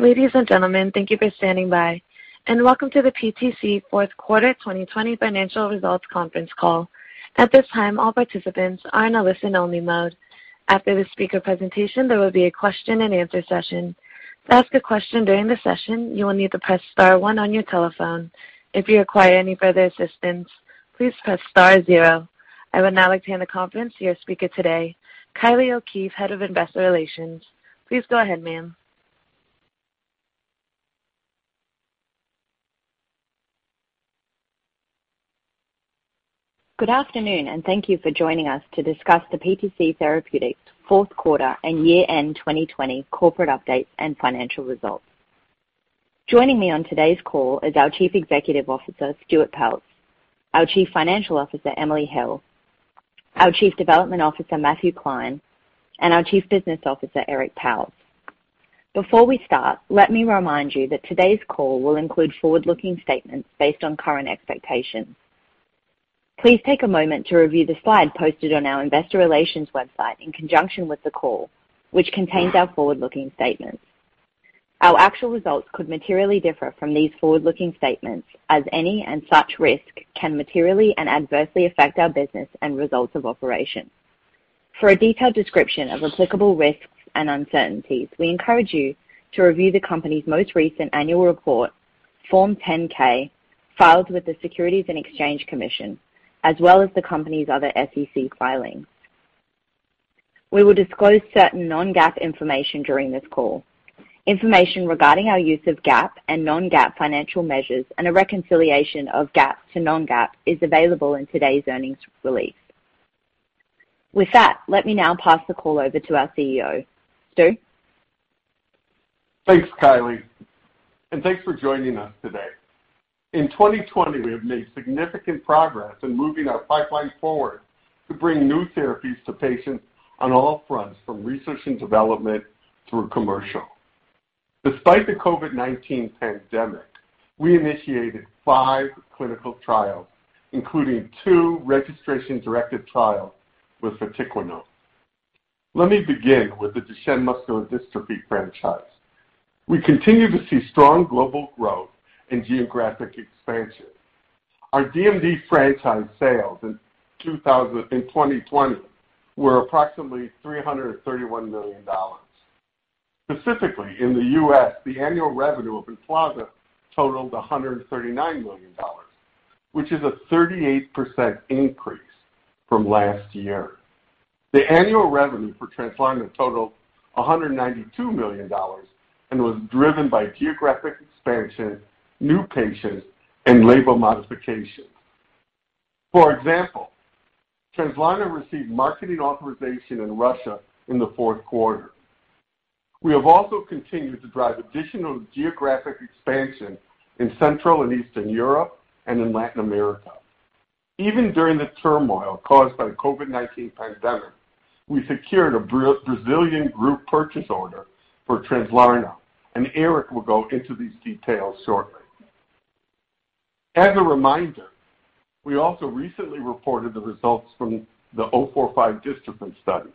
Ladies and gentlemen, thank you for standing by. Welcome to the PTC fourth quarter 2020 financial results conference call. At this time, all participants are in a listen-only mode. After the speaker presentation, there will be a question and answer session. To ask a question during the session, you will need to press star one on your telephone. If you require any further assistance, please press star zero. I would now like to hand the conference to your speaker today, Kylie O'Keefe, Head of Investor Relations. Please go ahead, ma'am. Good afternoon, and thank you for joining us to discuss the PTC Therapeutics fourth quarter and year-end 2020 corporate update and financial results. Joining me on today's call is our Chief Executive Officer, Stuart Peltz, our Chief Financial Officer, Emily Hill, our Chief Development Officer, Matthew Klein, and our Chief Business Officer, Eric Pauwels. Before we start, let me remind you that today's call will include forward-looking statements based on current expectations. Please take a moment to review the slide posted on our investor relations website in conjunction with the call, which contains our forward-looking statements. Our actual results could materially differ from these forward-looking statements, as any and such risk can materially and adversely affect our business and results of operation. For a detailed description of applicable risks and uncertainties, we encourage you to review the company's most recent annual report, Form 10-K, filed with the Securities and Exchange Commission, as well as the company's other SEC filings. We will disclose certain non-GAAP information during this call. Information regarding our use of GAAP and non-GAAP financial measures and a reconciliation of GAAP to non-GAAP is available in today's earnings release. With that, let me now pass the call over to our CEO. Stuart? Thanks, Kylie. Thanks for joining us today. In 2020, we have made significant progress in moving our pipeline forward to bring new therapies to patients on all fronts, from research and development through commercial. Despite the COVID-19 pandemic, we initiated five clinical trials, including two registration-directed trials with vatiquinone. Let me begin with the Duchenne Muscular Dystrophy franchise. We continue to see strong global growth and geographic expansion. Our DMD franchise sales in 2020 were approximately $331 million. Specifically, in the U.S., the annual revenue of Emflaza totaled $139 million, which is a 38% increase from last year. The annual revenue for Translarna totaled $192 million and was driven by geographic expansion, new patients, and label modifications. For example, Translarna received marketing authorization in Russia in the fourth quarter. We have also continued to drive additional geographic expansion in Central and Eastern Europe and in Latin America. Even during the turmoil caused by the COVID-19 pandemic, we secured a Brazilian group purchase order for Translarna. Eric will go into these details shortly. As a reminder, we also recently reported the results from the 045 dystrophin study.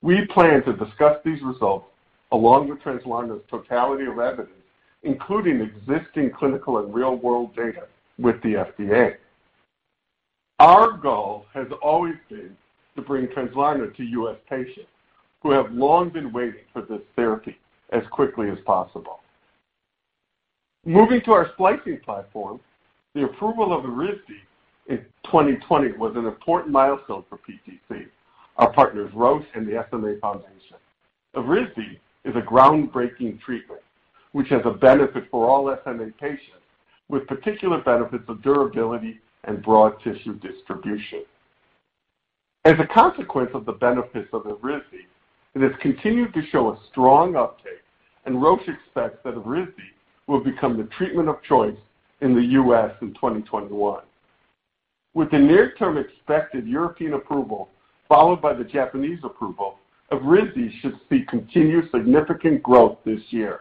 We plan to discuss these results along with Translarna's totality of evidence, including existing clinical and real-world data, with the FDA. Our goal has always been to bring Translarna to U.S. patients who have long been waiting for this therapy as quickly as possible. Moving to our splicing platform, the approval of Evrysdi in 2020 was an important milestone for PTC, our partners Roche and the SMA Foundation. Evrysdi is a groundbreaking treatment, which has a benefit for all SMA patients with particular benefits of durability and broad tissue distribution. As a consequence of the benefits of Evrysdi, it has continued to show a strong uptake, and Roche expects that Evrysdi will become the treatment of choice in the U.S. in 2021. With the near-term expected European approval followed by the Japanese approval, Evrysdi should see continued significant growth this year.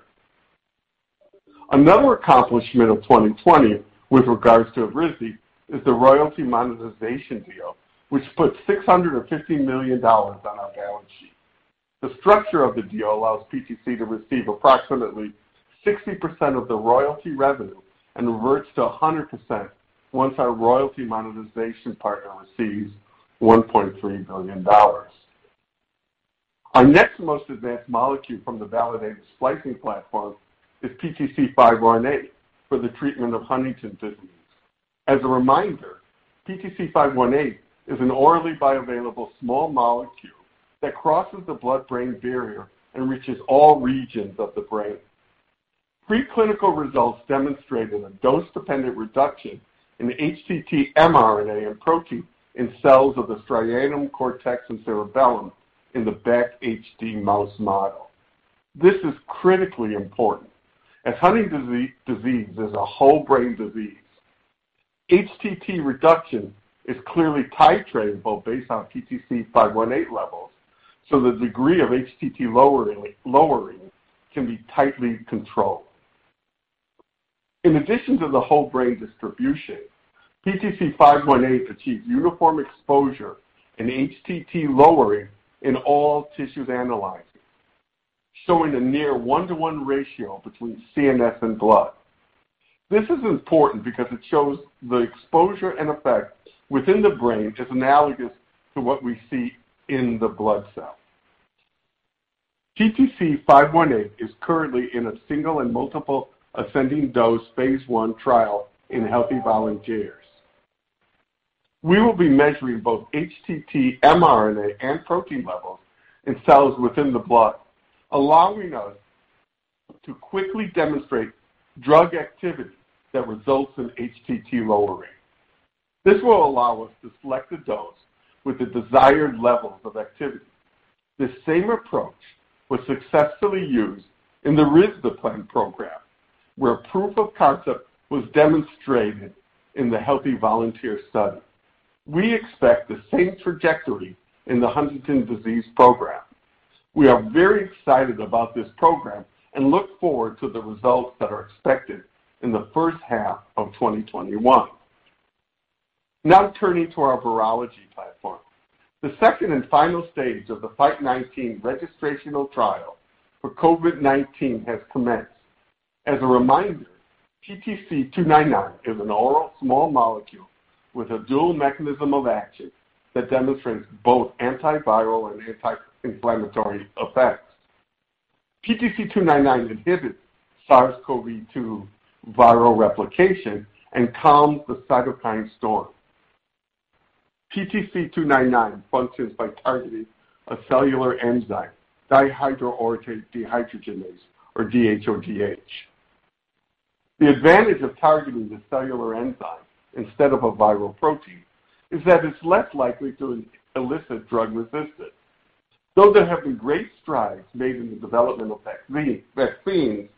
Another accomplishment of 2020 with regards to Evrysdi is the royalty monetization deal, which put $650 million on our balance sheet. The structure of the deal allows PTC to receive approximately 60% of the royalty revenue and reverts to 100% once our royalty monetization partner receives $1.3 billion. Our next most advanced molecule from the validated splicing platform is PTC-518 for the treatment of Huntington's disease. As a reminder, PTC-518 is an orally bioavailable small molecule that crosses the blood-brain barrier and reaches all regions of the brain. Preclinical results demonstrated a dose-dependent reduction in the HTT mRNA and protein in cells of the striatum cortex and cerebellum in the BACHD mouse model. This is critically important as Huntington's disease is a whole brain disease. HTT reduction is clearly titratable based on PTC-518 levels, so the degree of HTT lowering can be tightly controlled. In addition to the whole brain distribution, PTC-518 achieves uniform exposure and HTT lowering in all tissues analyzed, showing a near one-to-one ratio between CNS and blood. This is important because it shows the exposure and effect within the brain is analogous to what we see in the blood cell. PTC-518 is currently in a single and multiple ascending dose phase I trial in healthy volunteers. We will be measuring both HTT mRNA and protein levels in cells within the blood, allowing us to quickly demonstrate drug activity that results in HTT lowering. This will allow us to select a dose with the desired levels of activity. This same approach was successfully used in the risdiplam program, where proof of concept was demonstrated in the healthy volunteer study. We expect the same trajectory in the Huntington's disease program. We are very excited about this program and look forward to the results that are expected in the first half of 2021. Turning to our virology platform. The second and final stage of the FITE19 registrational trial for COVID-19 has commenced. As a reminder, PTC299 is an oral small molecule with a dual mechanism of action that demonstrates both antiviral and anti-inflammatory effects. PTC-299 inhibits SARS-CoV-2 viral replication and calms the cytokine storm. PTC-299 functions by targeting a cellular enzyme, dihydroorotate dehydrogenase, or DHODH. The advantage of targeting the cellular enzyme instead of a viral protein is that it's less likely to elicit drug resistance. Though there have been great strides made in the development of vaccines,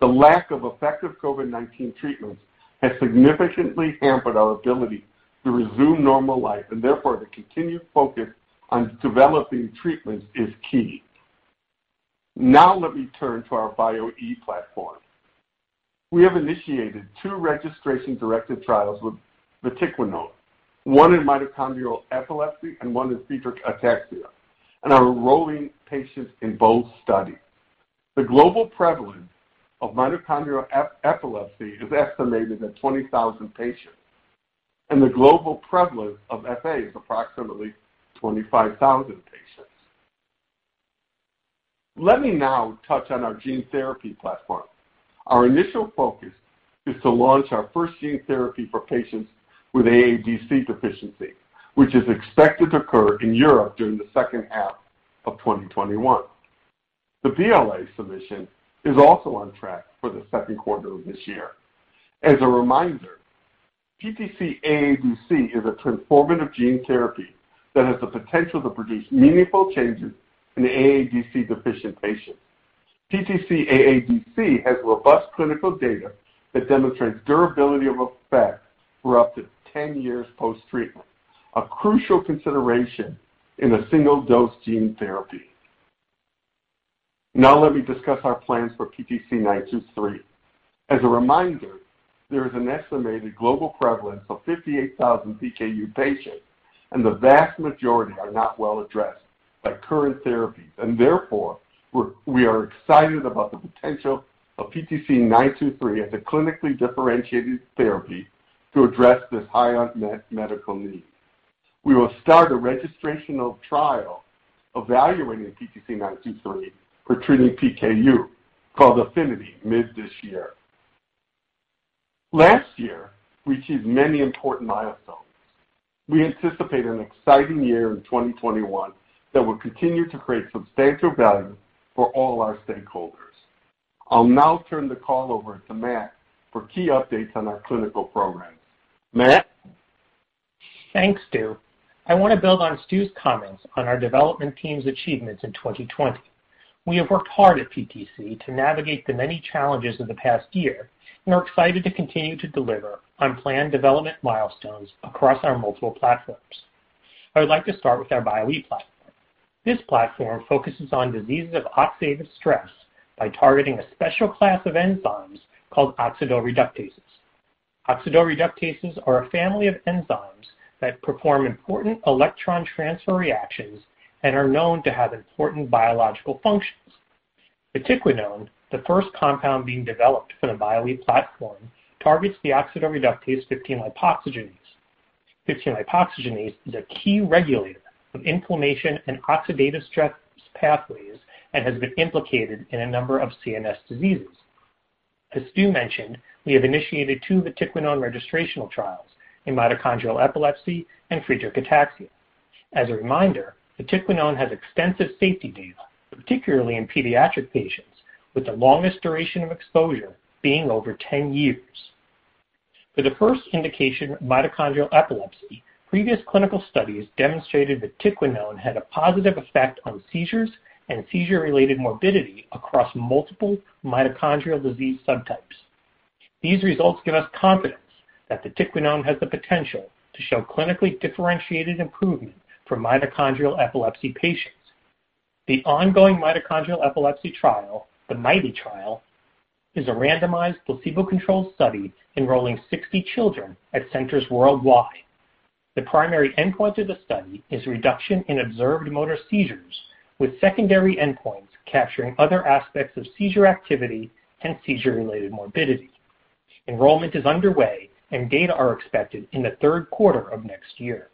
the lack of effective COVID-19 treatments has significantly hampered our ability to resume normal life, and therefore, the continued focus on developing treatments is key. Now let me turn to our Bio-e platform. We have initiated two registration directed trials with vatiquinone, one in mitochondrial epilepsy and one in Friedreich ataxia, and are enrolling patients in both studies. The global prevalence of mitochondrial epilepsy is estimated at 20,000 patients, and the global prevalence of FA is approximately 25,000 patients. Let me now touch on our gene therapy platform. Our initial focus is to launch our first gene therapy for patients with AADC deficiency, which is expected to occur in Europe during the second half of 2021. The BLA submission is also on track for the second quarter of this year. As a reminder, PTC-AADC is a transformative gene therapy that has the potential to produce meaningful changes in AADC deficient patients. PTC-AADC has robust clinical data that demonstrates durability of effect for up to 10 years post-treatment, a crucial consideration in a single-dose gene therapy. Let me discuss our plans for PTC-923. As a reminder, there is an estimated global prevalence of 58,000 PKU patients, and the vast majority are not well addressed by current therapies. Therefore, we are excited about the potential of PTC-923 as a clinically differentiated therapy to address this high unmet medical need. We will start a registrational trial evaluating PTC-923 for treating PKU, called APHENITY, mid this year. Last year, we achieved many important milestones. We anticipate an exciting year in 2021 that will continue to create substantial value for all our stakeholders. I'll now turn the call over to Matt for key updates on our clinical programs. Matt? Thanks, Stuart. I want to build on Stu's comments on our development team's achievements in 2020. We have worked hard at PTC to navigate the many challenges of the past year and are excited to continue to deliver on planned development milestones across our multiple platforms. I would like to start with our Bio-e platform. This platform focuses on diseases of oxidative stress by targeting a special class of enzymes called oxidoreductases. Oxidoreductases are a family of enzymes that perform important electron transfer reactions and are known to have important biological functions. vatiquinone, the first compound being developed for the Bio-e platform, targets the oxidoreductase 15-lipoxygenase. 15-lipoxygenase is a key regulator of inflammation and oxidative stress pathways and has been implicated in a number of CNS diseases. As Stu mentioned, we have initiated two vatiquinone registrational trials in mitochondrial epilepsy and Friedreich ataxia. As a reminder, vatiquinone has extensive safety data, particularly in pediatric patients, with the longest duration of exposure being over 10 years. For the first indication, mitochondrial epilepsy, previous clinical studies demonstrated vatiquinone had a positive effect on seizures and seizure-related morbidity across multiple mitochondrial disease subtypes. These results give us confidence that vatiquinone has the potential to show clinically differentiated improvement for mitochondrial epilepsy patients. The ongoing mitochondrial epilepsy trial, the MIT_E trial, is a randomized placebo-controlled study enrolling 60 children at centers worldwide. The primary endpoint of the study is a reduction in observed motor seizures, with secondary endpoints capturing other aspects of seizure activity and seizure-related morbidity. Enrollment is underway, and data are expected in the third quarter of next year.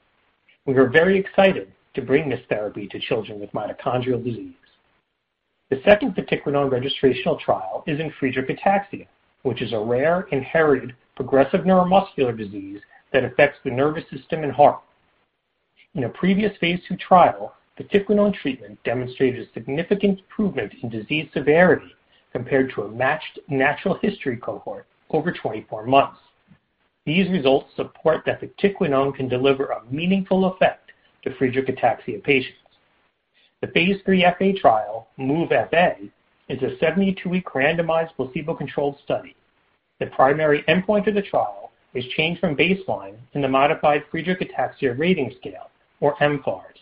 We are very excited to bring this therapy to children with mitochondrial disease. The second vatiquinone registrational trial is in Friedreich ataxia, which is a rare, inherited, progressive neuromuscular disease that affects the nervous system and heart. In a previous Phase II trial, vatiquinone treatment demonstrated a significant improvement in disease severity compared to a matched natural history cohort over 24 months. These results support that vatiquinone can deliver a meaningful effect to Friedreich ataxia patients. The Phase III FA trial, MOVE-FA, is a 72-week randomized placebo-controlled study. The primary endpoint of the trial is changed from baseline in the Modified Friedreich's Ataxia Rating Scale, or mFARS.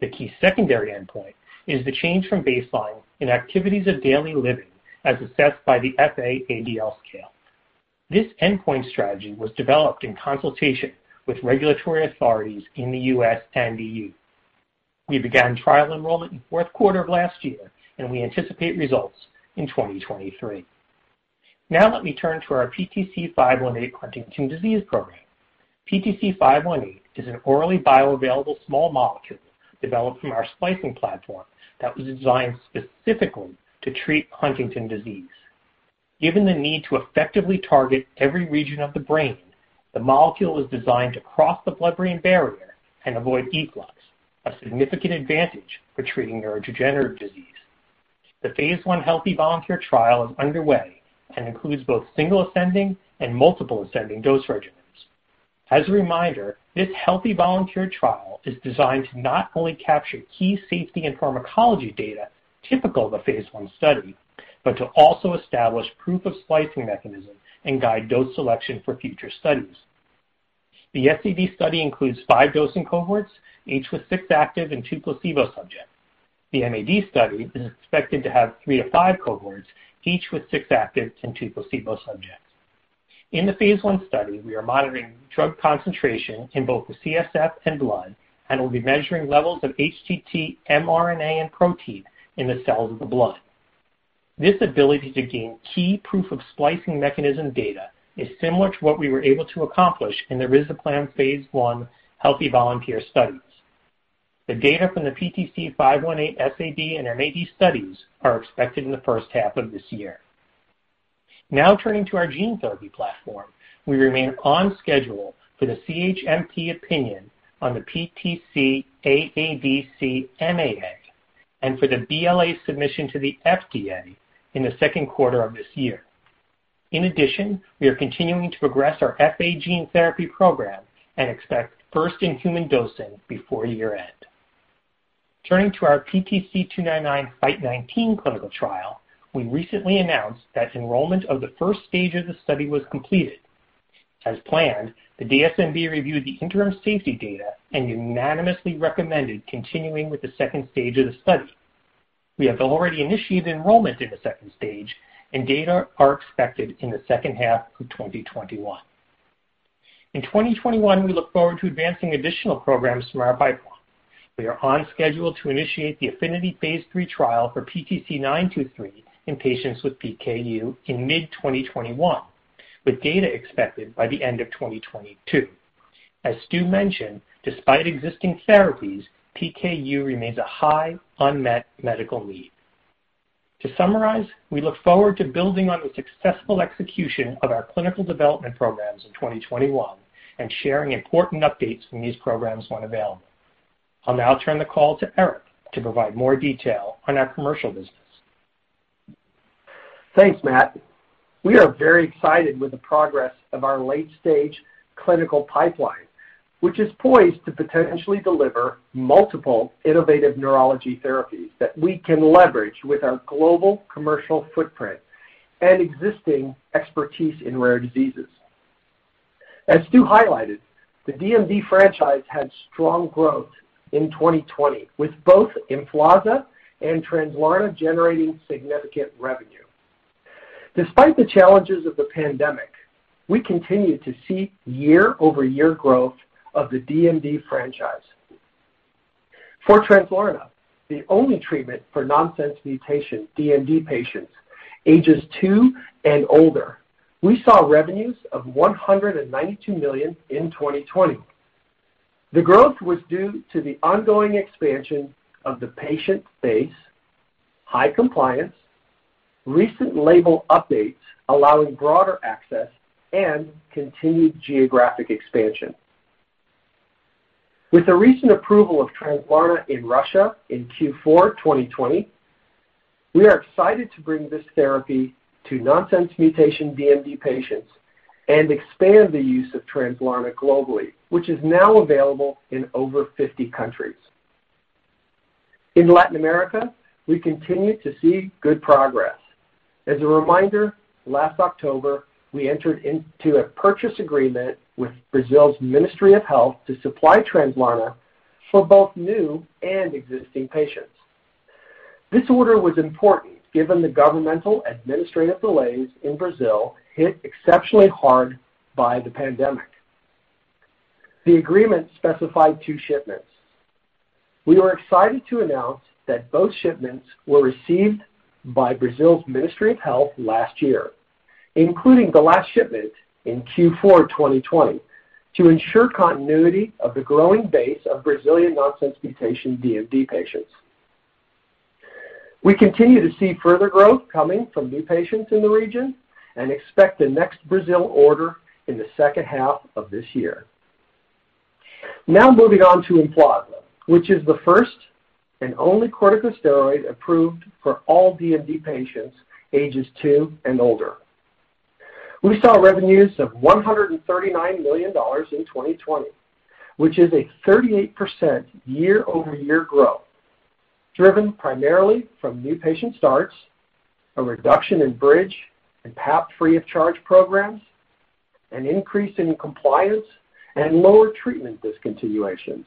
The key secondary endpoint is the change from baseline in activities of daily living as assessed by the FAADL scale. This endpoint strategy was developed in consultation with regulatory authorities in the U.S. and EU. We began trial enrollment in the fourth quarter of last year, and we anticipate results in 2023. Let me turn to our PTC-518 Huntington's disease program. PTC-518 is an orally bioavailable small molecule developed from our splicing platform that was designed specifically to treat Huntington's disease. Given the need to effectively target every region of the brain, the molecule is designed to cross the blood-brain barrier and avoid efflux, a significant advantage for treating neurodegenerative disease. The phase I healthy volunteer trial is underway and includes both single ascending and multiple ascending dose regimens. As a reminder, this healthy volunteer trial is designed to not only capture key safety and pharmacology data typical of a phase I study, but to also establish proof of splicing mechanism and guide dose selection for future studies. The SAD study includes five dosing cohorts, each with six active and two placebo subjects. The MAD study is expected to have three to five cohorts, each with six active and two placebo subjects. In the Phase I study, we are monitoring drug concentration in both the CSF and blood and will be measuring levels of HTT mRNA and protein in the cells of the blood. This ability to gain key proof of splicing mechanism data is similar to what we were able to accomplish in the risdiplam Phase I healthy volunteer studies. The data from the PTC-518 SAD and MAD studies are expected in the first half of this year. Turning to our gene therapy platform, we remain on schedule for the CHMP opinion on the PTC-AADC MAA and for the BLA submission to the FDA in the second quarter of this year. We are continuing to progress our FA gene therapy program and expect first in human dosing before year-end. Turning to our PTC-299 FITE-19 clinical trial, we recently announced that enrollment of the stage one of the study was completed. As planned, the DSMB reviewed the interim safety data and unanimously recommended continuing with the stage 2 of the study. We have already initiated enrollment in the stage 2, and data are expected in the second half of 2021. In 2021, we look forward to advancing additional programs from our pipeline. We are on schedule to initiate the APHENITY phase III trial for PTC-923 in patients with PKU in mid-2021, with data expected by the end of 2022. As Stu mentioned, despite existing therapies, PKU remains a high unmet medical need. To summarize, we look forward to building on the successful execution of our clinical development programs in 2021 and sharing important updates when these programs available. I'll now turn the call to Eric to provide more detail on our commercial business. Thanks, Matt. We are very excited with the progress of our late-stage clinical pipeline, which is poised to potentially deliver multiple innovative neurology therapies that we can leverage with our global commercial footprint and existing expertise in rare diseases. As Stu highlighted, the DMD franchise had strong growth in 2020, with both Emflaza and Translarna generating significant revenue. Despite the challenges of the pandemic, we continue to see year-over-year growth of the DMD franchise. For Translarna, the only treatment for nonsense mutation DMD patients ages two and older, we saw revenues of $192 million in 2020. The growth was due to the ongoing expansion of the patient base, high compliance, recent label updates allowing broader access, and continued geographic expansion. With the recent approval of Translarna in Russia in Q4 2020, we are excited to bring this therapy to nonsense mutation DMD patients and expand the use of Translarna globally, which is now available in over 50 countries. In Latin America, we continue to see good progress. As a reminder, last October, we entered into a purchase agreement with Brazil's Ministry of Health to supply Translarna for both new and existing patients. This order was important given the governmental administrative delays in Brazil hit exceptionally hard by the pandemic. The agreement specified two shipments. We are excited to announce that both shipments were received by Brazil's Ministry of Health last year, including the last shipment in Q4 2020 to ensure continuity of the growing base of Brazilian nonsense mutation DMD patients. We continue to see further growth coming from new patients in the region and expect the next Brazil order in the second half of this year. Moving on to Emflaza, which is the first and only corticosteroid approved for all DMD patients ages two and older. We saw revenues of $139 million in 2020, which is a 38% year-over-year growth, driven primarily from new patient starts, a reduction in bridge and PAP free of charge programs, an increase in compliance, and lower treatment discontinuations.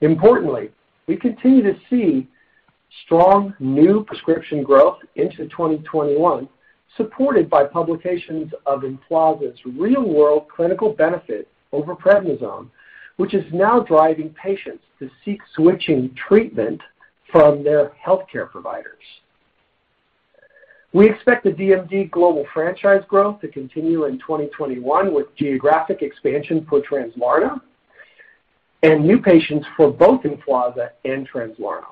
Importantly, we continue to see strong new prescription growth into 2021, supported by publications of Emflaza's real-world clinical benefit over prednisone, which is now driving patients to seek switching treatment from their healthcare providers. We expect the DMD global franchise growth to continue in 2021 with geographic expansion for Translarna and new patients for both Emflaza and Translarna.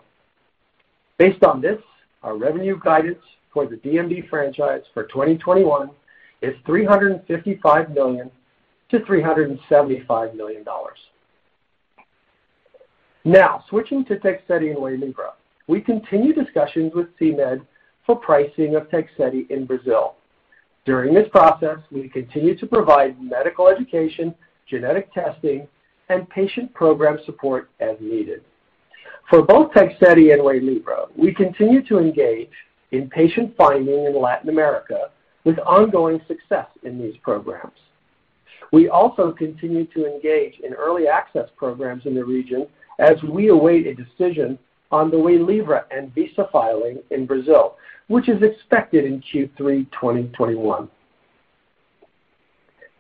Based on this, our revenue guidance for the DMD franchise for 2021 is $355 million-$375 million. Switching to Tegsedi and Waylivra. We continue discussions with CMED for pricing of Tegsedi in Brazil. During this process, we continue to provide medical education, genetic testing, and patient program support as needed. For both Tegsedi and Waylivra, we continue to engage in patient finding in Latin America with ongoing success in these programs. We also continue to engage in early access programs in the region as we await a decision on the Waylivra ANVISA filing in Brazil, which is expected in Q3 2021.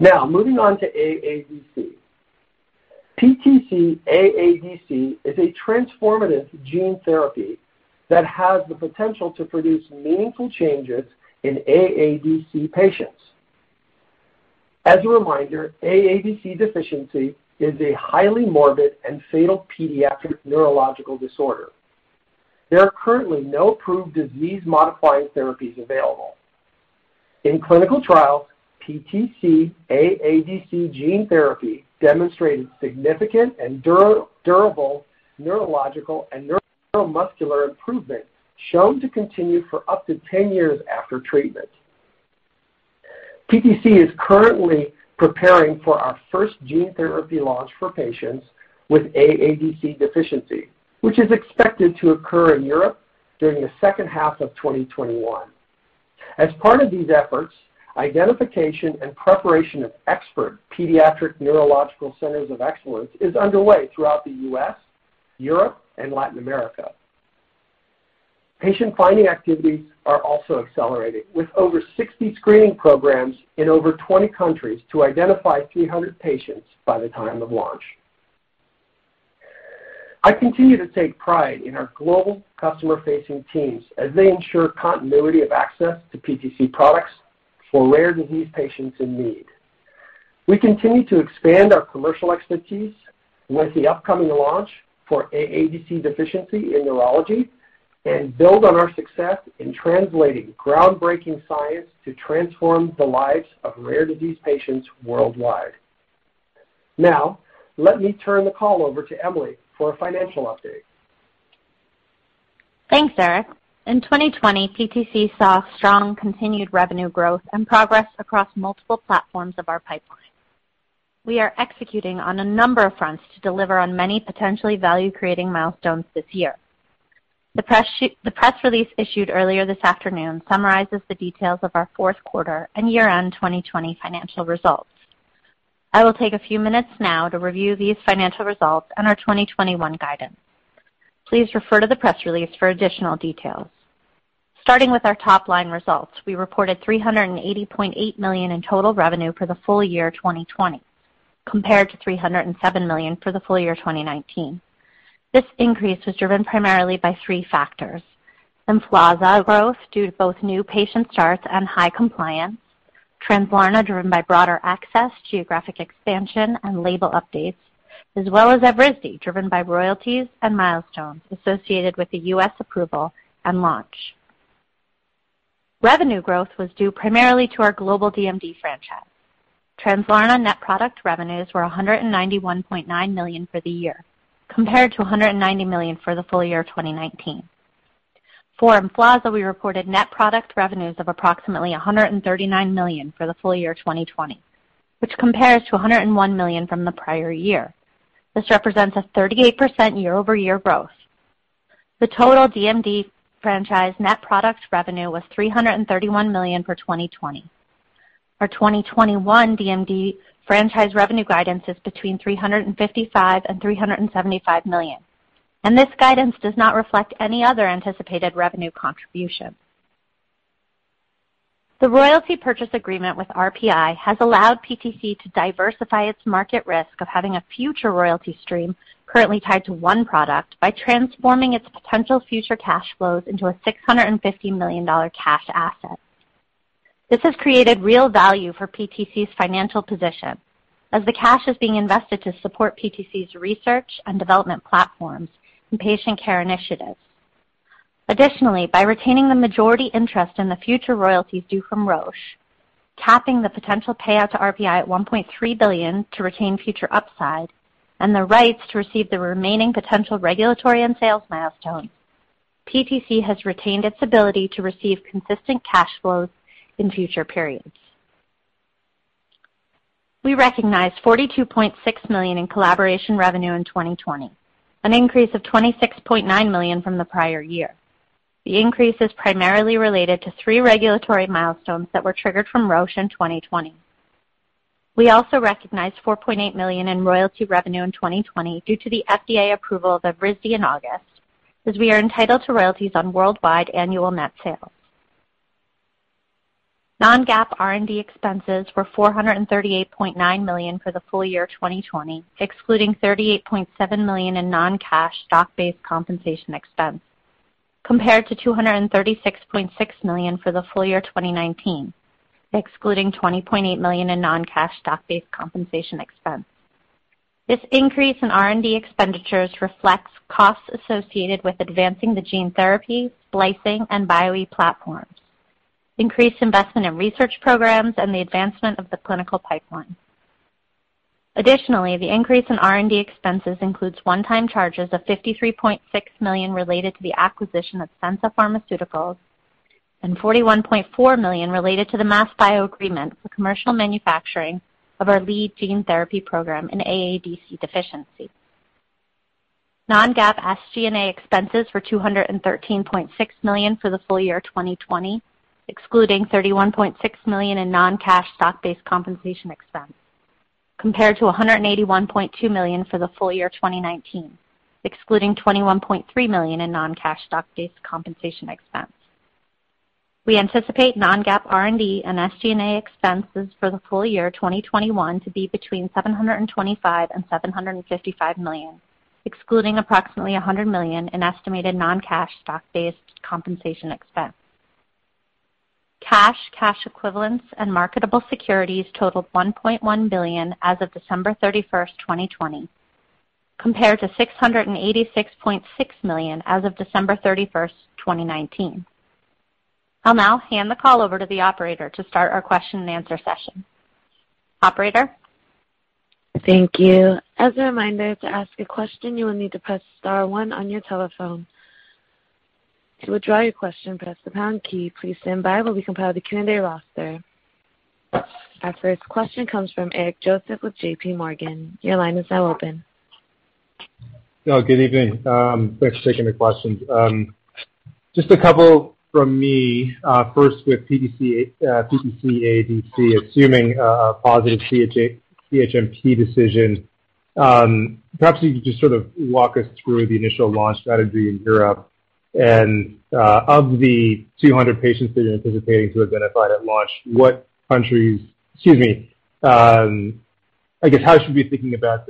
Moving on to AADC. PTC-AADC is a transformative gene therapy that has the potential to produce meaningful changes in AADC patients. As a reminder, AADC deficiency is a highly morbid and fatal pediatric neurological disorder. There are currently no approved disease-modifying therapies available. In clinical trials, PTC-AADC gene therapy demonstrated significant and durable neurological and neuromuscular improvement shown to continue for up to 10 years after treatment. PTC is currently preparing for our first gene therapy launch for patients with AADC deficiency, which is expected to occur in Europe during the second half of 2021. As part of these efforts, identification and preparation of expert pediatric neurological centers of excellence is underway throughout the U.S., Europe, and Latin America. Patient finding activities are also accelerating, with over 60 screening programs in over 20 countries to identify 300 patients by the time of launch. I continue to take pride in our global customer-facing teams as they ensure continuity of access to PTC products for rare disease patients in need. We continue to expand our commercial expertise with the upcoming launch for AADC deficiency in neurology and build on our success in translating groundbreaking science to transform the lives of rare disease patients worldwide. Now, let me turn the call over to Emily for a financial update. Thanks, Eric. In 2020, PTC saw strong continued revenue growth and progress across multiple platforms of our pipeline. We are executing on a number of fronts to deliver on many potentially value-creating milestones this year. The press release issued earlier this afternoon summarizes the details of our fourth quarter and year-end 2020 financial results. I will take a few minutes now to review these financial results and our 2021 guidance. Please refer to the press release for additional details. Starting with our top-line results, we reported $380.8 million in total revenue for the full year 2020, compared to $307 million for the full year 2019. This increase was driven primarily by three factors, Emflaza growth due to both new patient starts and high compliance, Translarna driven by broader access, geographic expansion, and label updates, as well as Evrysdi, driven by royalties and milestones associated with the U.S. approval and launch. Revenue growth was due primarily to our global DMD franchise. Translarna net product revenues were $191.9 million for the year, compared to $190 million for the full year 2019. For Emflaza, we reported net product revenues of approximately $139 million for the full year 2020, which compares to $101 million from the prior year. This represents a 38% year-over-year growth. The total DMD franchise net product revenue was $331 million for 2020. Our 2021 DMD franchise revenue guidance is between $355 million and $375 million, and this guidance does not reflect any other anticipated revenue contribution. The royalty purchase agreement with RPI has allowed PTC to diversify its market risk of having a future royalty stream currently tied to one product by transforming its potential future cash flows into a $650 million cash asset. This has created real value for PTC's financial position, as the cash is being invested to support PTC's research and development platforms and patient care initiatives. By retaining the majority interest in the future royalties due from Roche, capping the potential payout to RPI at $1.3 billion to retain future upside, and the rights to receive the remaining potential regulatory and sales milestones, PTC has retained its ability to receive consistent cash flows in future periods. We recognized $42.6 million in collaboration revenue in 2020, an increase of $26.9 million from the prior year. The increase is primarily related to three regulatory milestones that were triggered from Roche in 2020. We also recognized $4.8 million in royalty revenue in 2020 due to the FDA approval of Evrysdi in August, as we are entitled to royalties on worldwide annual net sales. Non-GAAP R&D expenses were $438.9 million for the full year 2020, excluding $38.7 million in non-cash stock-based compensation expense, compared to $236.6 million for the full year 2019, excluding $20.8 million in non-cash stock-based compensation expense. This increase in R&D expenditures reflects costs associated with advancing the gene therapy, splicing, and Bio-e platforms, increased investment in research programs, and the advancement of the clinical pipeline. Additionally, the increase in R&D expenses includes one-time charges of $53.6 million related to the acquisition of Censa Pharmaceuticals and $41.4 million related to the MassBio agreement for commercial manufacturing of our lead gene therapy program in AADC deficiency. Non-GAAP SG&A expenses were $213.6 million for the full year 2020, excluding $31.6 million in non-cash stock-based compensation expense, compared to $181.2 million for the full year 2019, excluding $21.3 million in non-cash stock-based compensation expense. We anticipate non-GAAP R&D and SG&A expenses for the full year 2021 to be between $725 and $755 million, excluding approximately $100 million in estimated non-cash stock-based compensation expense. Cash, cash equivalents, and marketable securities totaled $1.1 billion as of December 31st, 2020, compared to $686.6 million as of December 31st, 2019. I'll now hand the call over to the operator to start our question and answer session. Operator? Thank you. As a reminder, to ask a question, you will need to press star one on your telephone. To withdraw your question, press the pound key. Please stand by as we compile Q&A roster. Our first question comes from Eric Joseph with JPMorgan. Good evening. Thanks for taking the questions. Just a couple from me. First with PTC-AADC, assuming a positive CHMP decision, perhaps you could just sort of walk us through the initial launch strategy in Europe. Of the 300 patients that you're anticipating to identify at launch, what countries Excuse me. I guess, how should we be thinking about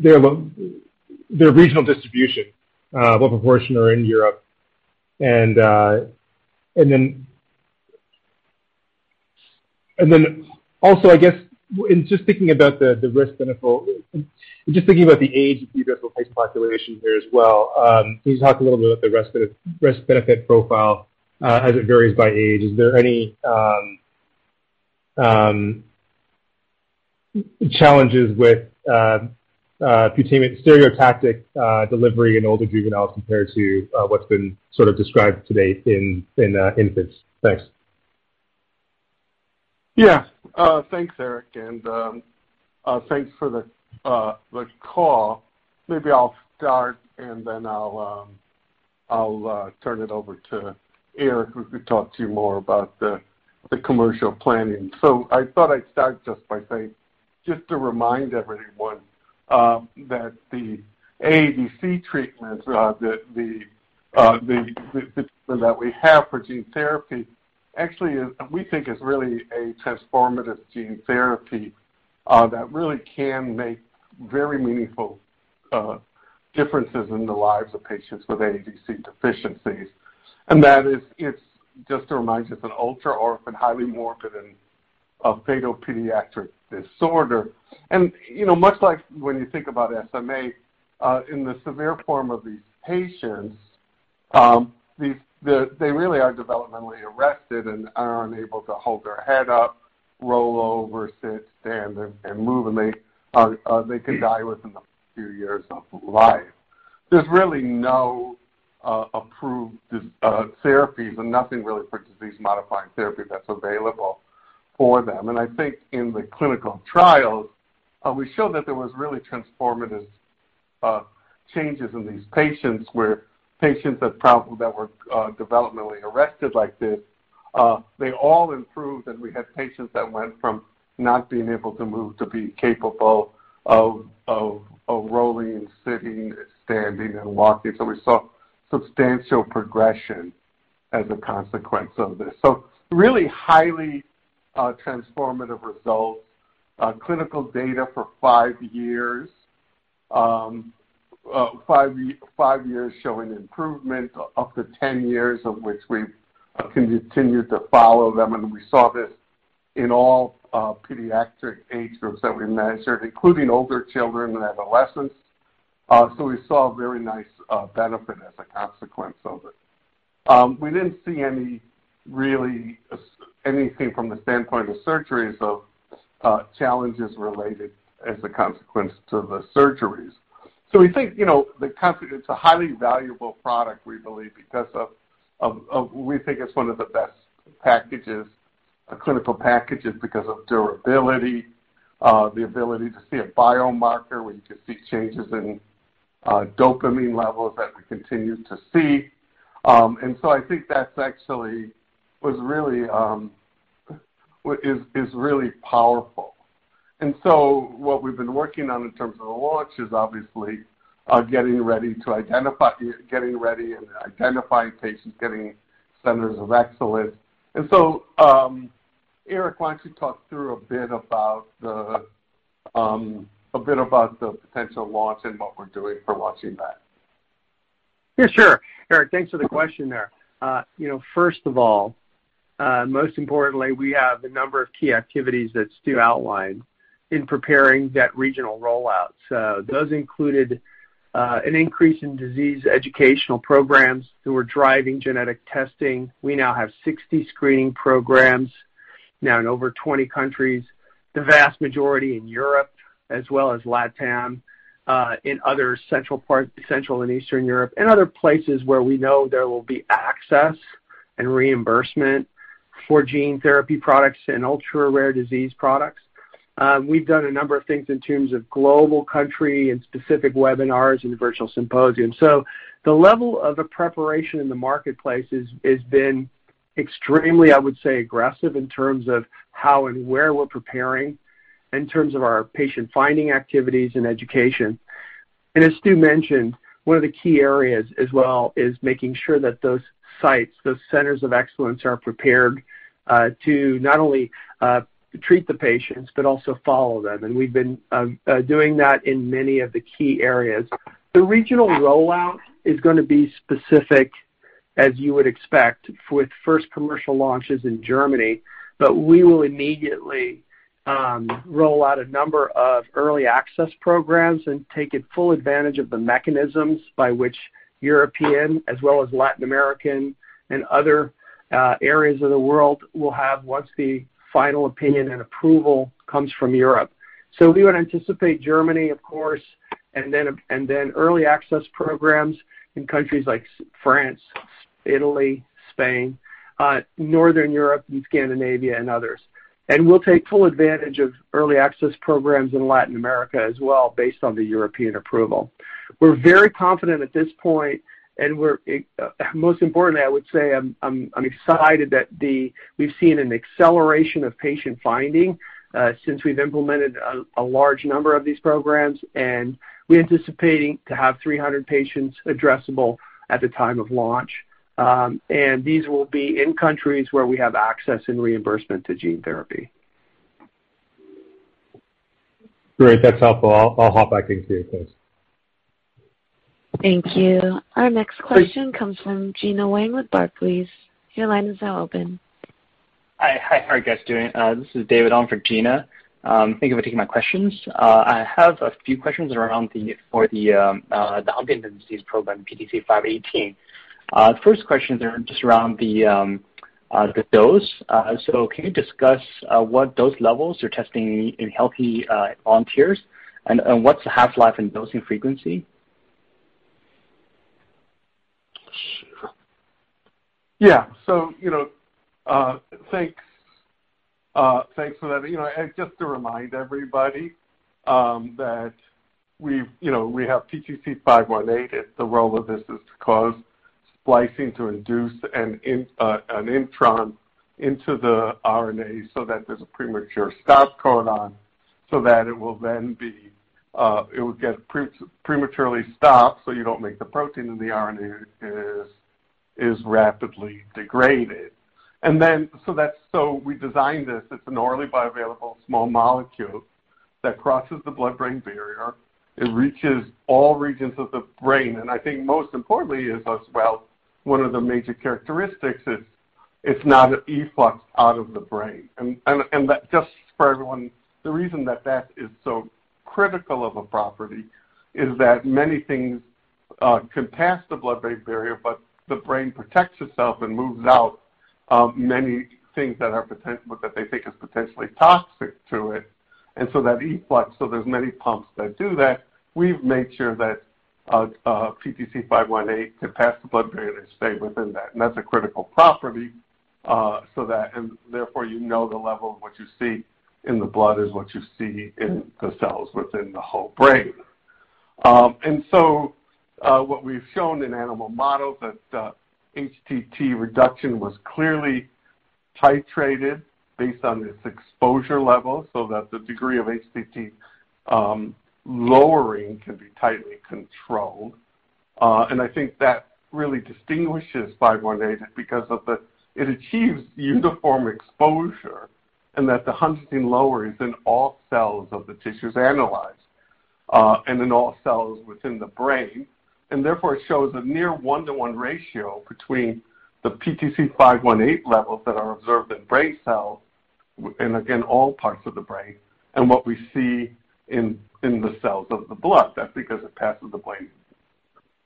their regional distribution? What proportion are in Europe? Also, I guess, in just thinking about the risk-benefit, just thinking about the age of the juvenile patient population here as well, can you talk a little bit about the risk-benefit profile as it varies by age? Is there any challenges with stereotactic delivery in older juveniles compared to what's been sort of described to date in infants? Thanks. Yeah. Thanks, Eric. Thanks for the call. Maybe I'll start. Then I'll turn it over to Eric, who could talk to you more about the commercial planning. I thought I'd start just by saying, just to remind everyone that the AADC treatment that we have for gene therapy actually is, we think, is really a transformative gene therapy that really can make very meaningful differences in the lives of patients with AADC deficiencies. That is, just to remind you, it's an ultra-orphan, highly morbid, and a pediatric disorder. Much like when you think about SMA, in the severe form of these patients, they really are developmentally arrested and are unable to hold their head up, roll over, sit, stand, and move, and they could die within the first few years of life. There's really no approved therapies and nothing really for disease-modifying therapy that's available for them. I think in the clinical trials, we showed that there was really transformative changes in these patients, where patients that were developmentally arrested like this, they all improved, and we had patients that went from not being able to move to being capable of rolling and sitting, standing, and walking. We saw substantial progression as a consequence of this. Really highly transformative results, clinical data for five years showing improvement, up to 10 years of which we've continued to follow them, and we saw this in all pediatric age groups that we measured, including older children and adolescents. We saw a very nice benefit as a consequence of it. We didn't see anything from the standpoint of surgeries, so challenges related as a consequence to the surgeries. We think it's a highly valuable product, we believe, because of we think it's one of the best packages, clinical packages, because of durability, the ability to see a biomarker. We can see changes in dopamine levels that we continue to see. I think that is really powerful. What we've been working on in terms of the launch is obviously getting ready and identifying patients, getting centers of excellence. Eric, why don't you talk through a bit about the potential launch and what we're doing for launching that. Sure. Eric, thanks for the question there. First of all, most importantly, we have a number of key activities that Stu outlined in preparing that regional rollout. Those included an increase in disease educational programs that were driving genetic testing. We now have 60 screening programs now in over 20 countries, the vast majority in Europe as well as LATAM, in other central and eastern Europe, and other places where we know there will be access and reimbursement for gene therapy products and ultra-rare disease products. We've done a number of things in terms of global country and specific webinars and virtual symposiums. The level of the preparation in the marketplace has been extremely, I would say, aggressive in terms of how and where we're preparing in terms of our patient-finding activities and education. As Stu mentioned, one of the key areas as well is making sure that those sites, those centers of excellence, are prepared to not only treat the patients, but also follow them, and we've been doing that in many of the key areas. The regional rollout is going to be specific, as you would expect, with first commercial launches in Germany. We will immediately roll out a number of early access programs and taking full advantage of the mechanisms by which European, as well as Latin American, and other areas of the world will have once the final opinion and approval comes from Europe. We would anticipate Germany, of course, and then early access programs in countries like France, Italy, Spain, Northern Europe, and Scandinavia, and others. We'll take full advantage of early access programs in Latin America as well based on the European approval. We're very confident at this point, and most importantly, I would say I'm excited that we've seen an acceleration of patient finding since we've implemented a large number of these programs, and we're anticipating to have 300 patients addressable at the time of launch. These will be in countries where we have access and reimbursement to gene therapy. Great. That's helpful. I'll hop back in queue, thanks. Thank you. Our next question comes from Gina Wang with Barclays. Your line is now open. Hi. How are you guys doing? This is David on for Gena. Thank you for taking my questions. I have a few questions around for the Huntington's disease program, PTC-518. First question is just around the dose. Can you discuss what dose levels you're testing in healthy volunteers, and what's the half-life in dosing frequency? Yeah. Thanks for that. Just to remind everybody that we have PTC-518, and the role of this is to cause splicing to induce an intron into the RNA so that there's a premature stop codon so that it would get prematurely stopped, so you don't make the protein, and the RNA is rapidly degraded. We designed this. It's an orally bioavailable small molecule that crosses the blood-brain barrier. It reaches all regions of the brain, and I think most importantly is as well, one of the major characteristics is it's not an efflux out of the brain. Just for everyone, the reason that that is so critical of a property is that many things can pass the blood-brain barrier, but the brain protects itself and moves out many things that they think are potentially toxic to it. That efflux, so there's many pumps that do that. We've made sure that PTC-518 can pass the blood-brain and stay within that. That's a critical property, so that therefore you know the level of what you see in the blood is what you see in the cells within the whole brain. What we've shown in animal models that HTT reduction was clearly titrated based on its exposure level, so that the degree of HTT lowering can be tightly controlled. I think that really distinguishes 518 because it achieves uniform exposure and that the huntingtin lower is in all cells of the tissues analyzed. In all cells within the brain. Therefore, it shows a near one-to-one ratio between the PTC-518 levels that are observed in brain cells, and again, all parts of the brain, and what we see in the cells of the blood. That's because it passes the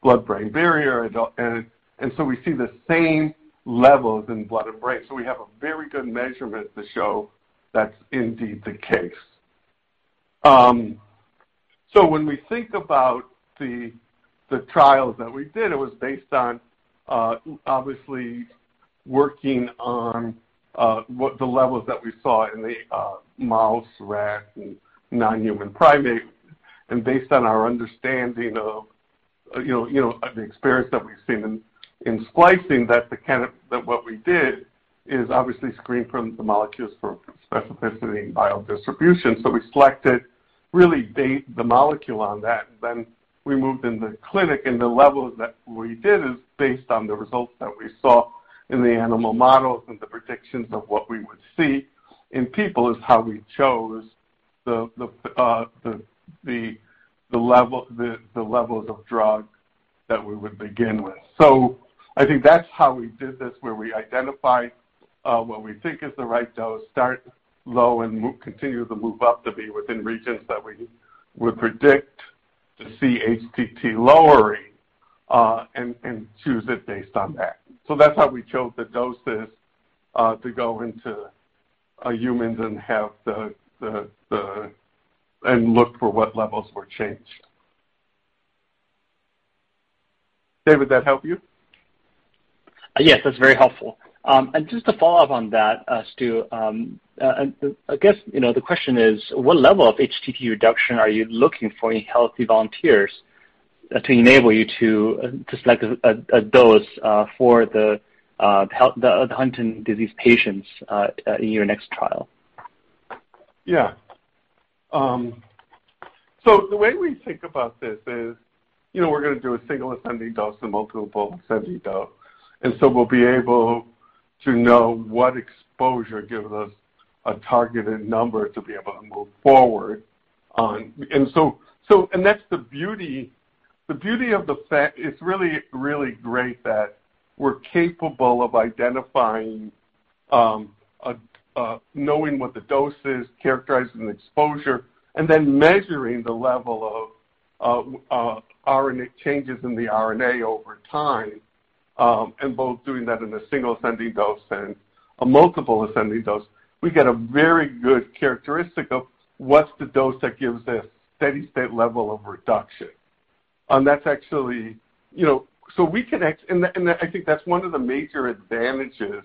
blood-brain barrier. We see the same levels in blood and brain. We have a very good measurement to show that's indeed the case. When we think about the trials that we did, it was based on obviously working on what the levels that we saw in the mouse, rat, and non-human primate. Based on our understanding of the experience that we've seen in splicing, that what we did is obviously screen the molecules for specificity and biodistribution. We selected really based the molecule on that. We moved into the clinic, and the levels that we did is based on the results that we saw in the animal models and the predictions of what we would see in people is how we chose the levels of drug that we would begin with. I think that's how we did this, where we identified what we think is the right dose, start low, and continue to move up to be within regions that we would predict to see HTT lowering, and choose it based on that. That's how we chose the doses to go into humans and look for what levels were changed. David, did that help you? Yes, that's very helpful. Just to follow up on that, Stuart, I guess the question is, what level of HTT reduction are you looking for in healthy volunteers to enable you to select a dose for the Huntington's disease patients in your next trial? Yeah. The way we think about this is we're going to do a single ascending dose and multiple ascending dose. We'll be able to know what exposure gives us a targeted number to be able to move forward on. That's the beauty. It's really great that we're capable of identifying, knowing what the dose is, characterizing the exposure, and then measuring the level of changes in the RNA over time, and both doing that in a single ascending dose and a multiple ascending dose. We get a very good characteristic of what's the dose that gives a steady state level of reduction. I think that's one of the major advantages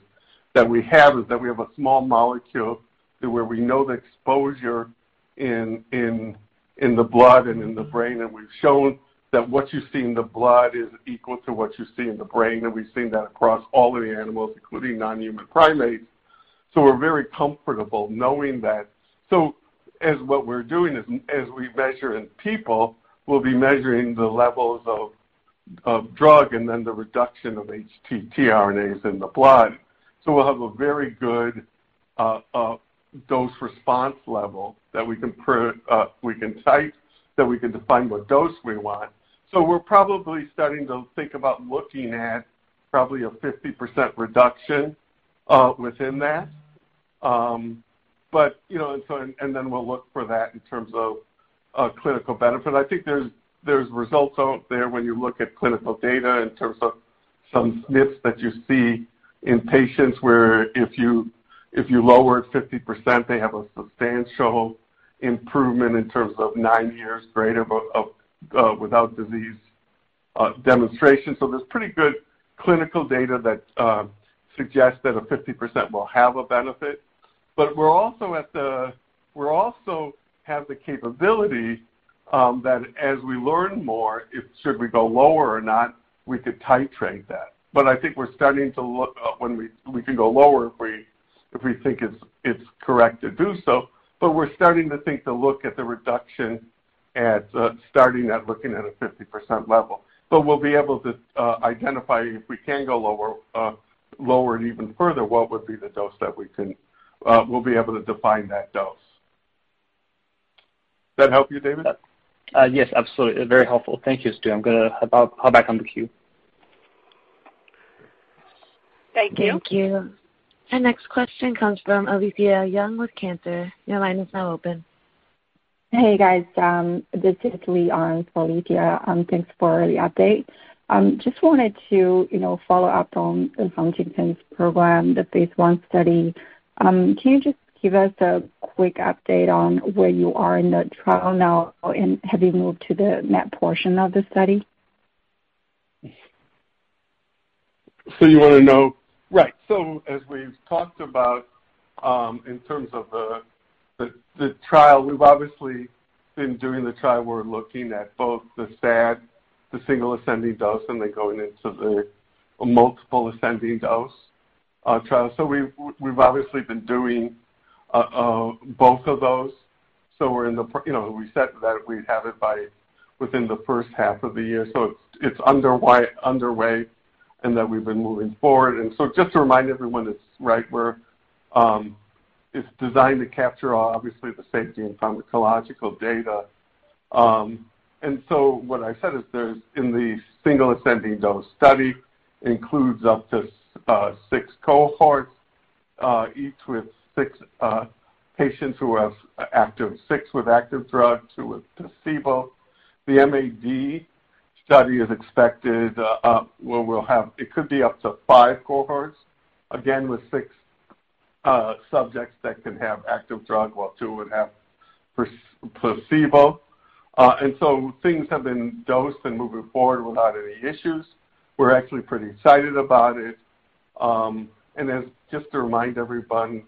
that we have. We have a small molecule to where we know the exposure in the blood and in the brain, and we've shown that what you see in the blood is equal to what you see in the brain. We've seen that across all of the animals, including non-human primates. We're very comfortable knowing that. As what we're doing is, as we measure in people, we'll be measuring the levels of drug and then the reduction of HTT RNA in the blood. We'll have a very good dose response level that we can titrate, that we can define what dose we want. We're probably starting to think about looking at probably a 50% reduction within that. We'll look for that in terms of clinical benefit. I think there's results out there when you look at clinical data in terms of some snips that you see in patients where if you lower it 50%, they have a substantial improvement in terms of nine years without disease demonstration. There's pretty good clinical data that suggests that a 50% will have a benefit. We also have the capability that as we learn more, should we go lower or not, we could titrate that. I think we can go lower if we think it's correct to do so. We're starting to think to look at the reduction at looking at a 50% level. We'll be able to identify if we can go lower and even further, what would be the dose that We'll be able to define that dose. Did that help you, David? Yes, absolutely. Very helpful. Thank you, Stu. I'm going to hop back on the queue. Thank you. Thank you. Our next question comes from Alethia Young with Cantor Fitzgerald. Your line is now open. Hey, guys. This is Lee Ahn for Alethia. Thanks for the update. Wanted to follow up on Huntington's program, the phase I study. Can you just give us a quick update on where you are in the trial now, and have you moved to the next portion of the study? You want to know. Right. As we've talked about in terms of the trial, we've obviously been doing the trial. We're looking at both the SAD, the single ascending dose, and then going into the multiple ascending dose trial. We've obviously been doing both of those. We said that we'd have it by within the first half of the year, so it's underway, and that we've been moving forward. Just to remind everyone, it's designed to capture, obviously, the safety and pharmacological data. What I said is in the single ascending dose study includes up to six cohorts, each with six patients who have active, six with active drug, 2 with placebo. The MAD study is expected, where we'll have, it could be up to iv cohorts, again, with six subjects that could have active drug, while two would have placebo. things have been dosed and moving forward without any issues. We're actually pretty excited about it. just to remind everyone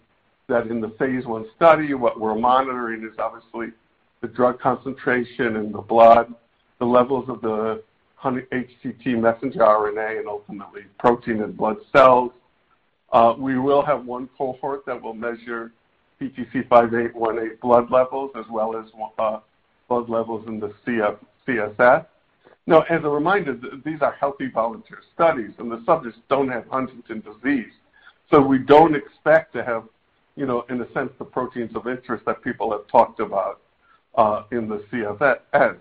that in the phase I study, what we're monitoring is obviously the drug concentration in the blood, the levels of the HTT messenger RNA, and ultimately protein in blood cells. We will have one cohort that will measure PTC-518 blood levels as well as blood levels in the CSF. as a reminder, these are healthy volunteer studies, and the subjects don't have Huntington's disease. we don't expect to have, in a sense, the proteins of interest that people have talked about in the CSF.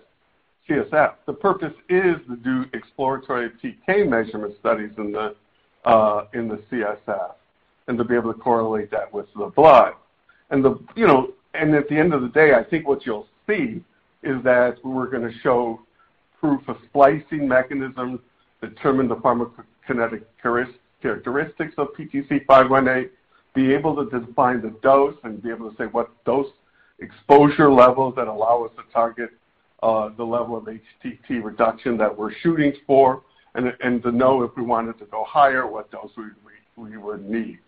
The purpose is to do exploratory PK measurement studies in the CSF and to be able to correlate that with the blood. At the end of the day, I think what you'll see is that we're going to show proof of splicing mechanism, determine the pharmacokinetic characteristics of PTC-518, be able to define the dose and be able to say what dose exposure levels that allow us to target the level of HTT reduction that we're shooting for, and to know if we wanted to go higher, what dose we would need.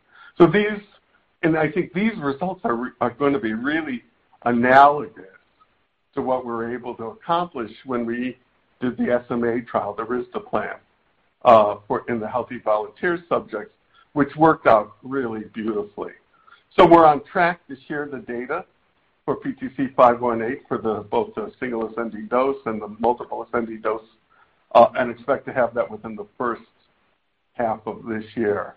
I think these results are going to be really analogous to what we were able to accomplish when we did the SMA trial, the risdiplam, in the healthy volunteer subjects, which worked out really beautifully. We're on track to share the data for PTC-518 for both the single ascending dose and the multiple ascending dose, and expect to have that within the first half of this year.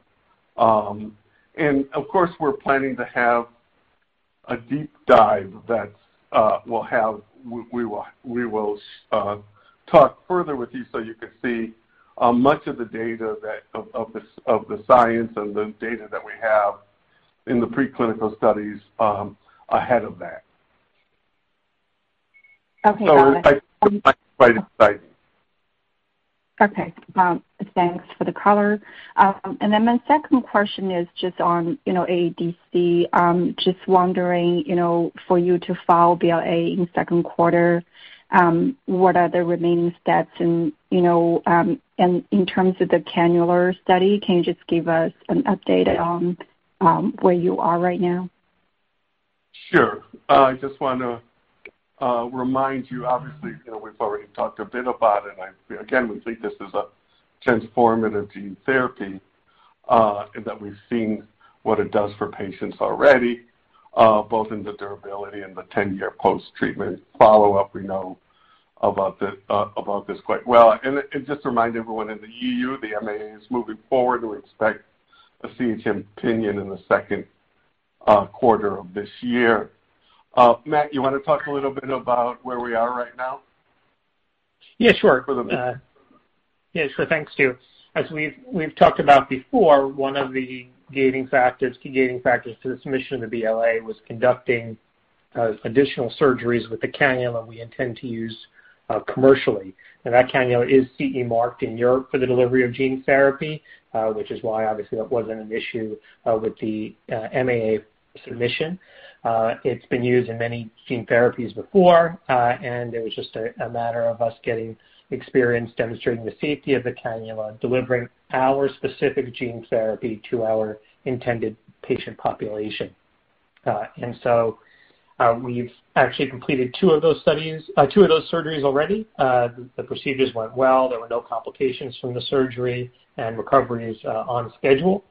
Of course, we're planning to have a deep dive that we will talk further with you so you can see much of the data of the science and the data that we have in the preclinical studies ahead of that. Okay, got it. I'm excited. Okay. Thanks for the color. My second question is just on AADC. Just wondering, for you to file BLA in second quarter, what are the remaining steps and, in terms of the cannula study, can you just give us an update on where you are right now? Sure. I just want to remind you, obviously, we've already talked a bit about it. We think this is a transformative gene therapy, and that we've seen what it does for patients already both in the durability and the 10-year post-treatment follow-up, we know about this quite well. Just to remind everyone in the EU, the MAA is moving forward. We expect a CHMP opinion in the second quarter of this year. Matt, you want to talk a little bit about where we are right now? Yeah, sure. For the- Thanks, Stuart. As we've talked about before, one of the key gating factors to the submission of the BLA was conducting additional surgeries with the cannula we intend to use commercially. Now that cannula is CE marked in Europe for the delivery of gene therapy, which is why, obviously, that wasn't an issue with the MAA submission. It's been used in many gene therapies before, and it was just a matter of us getting experience demonstrating the safety of the cannula delivering our specific gene therapy to our intended patient population. We've actually completed two of those surgeries already. The procedures went well. There were no complications from the surgery, and recovery is on schedule.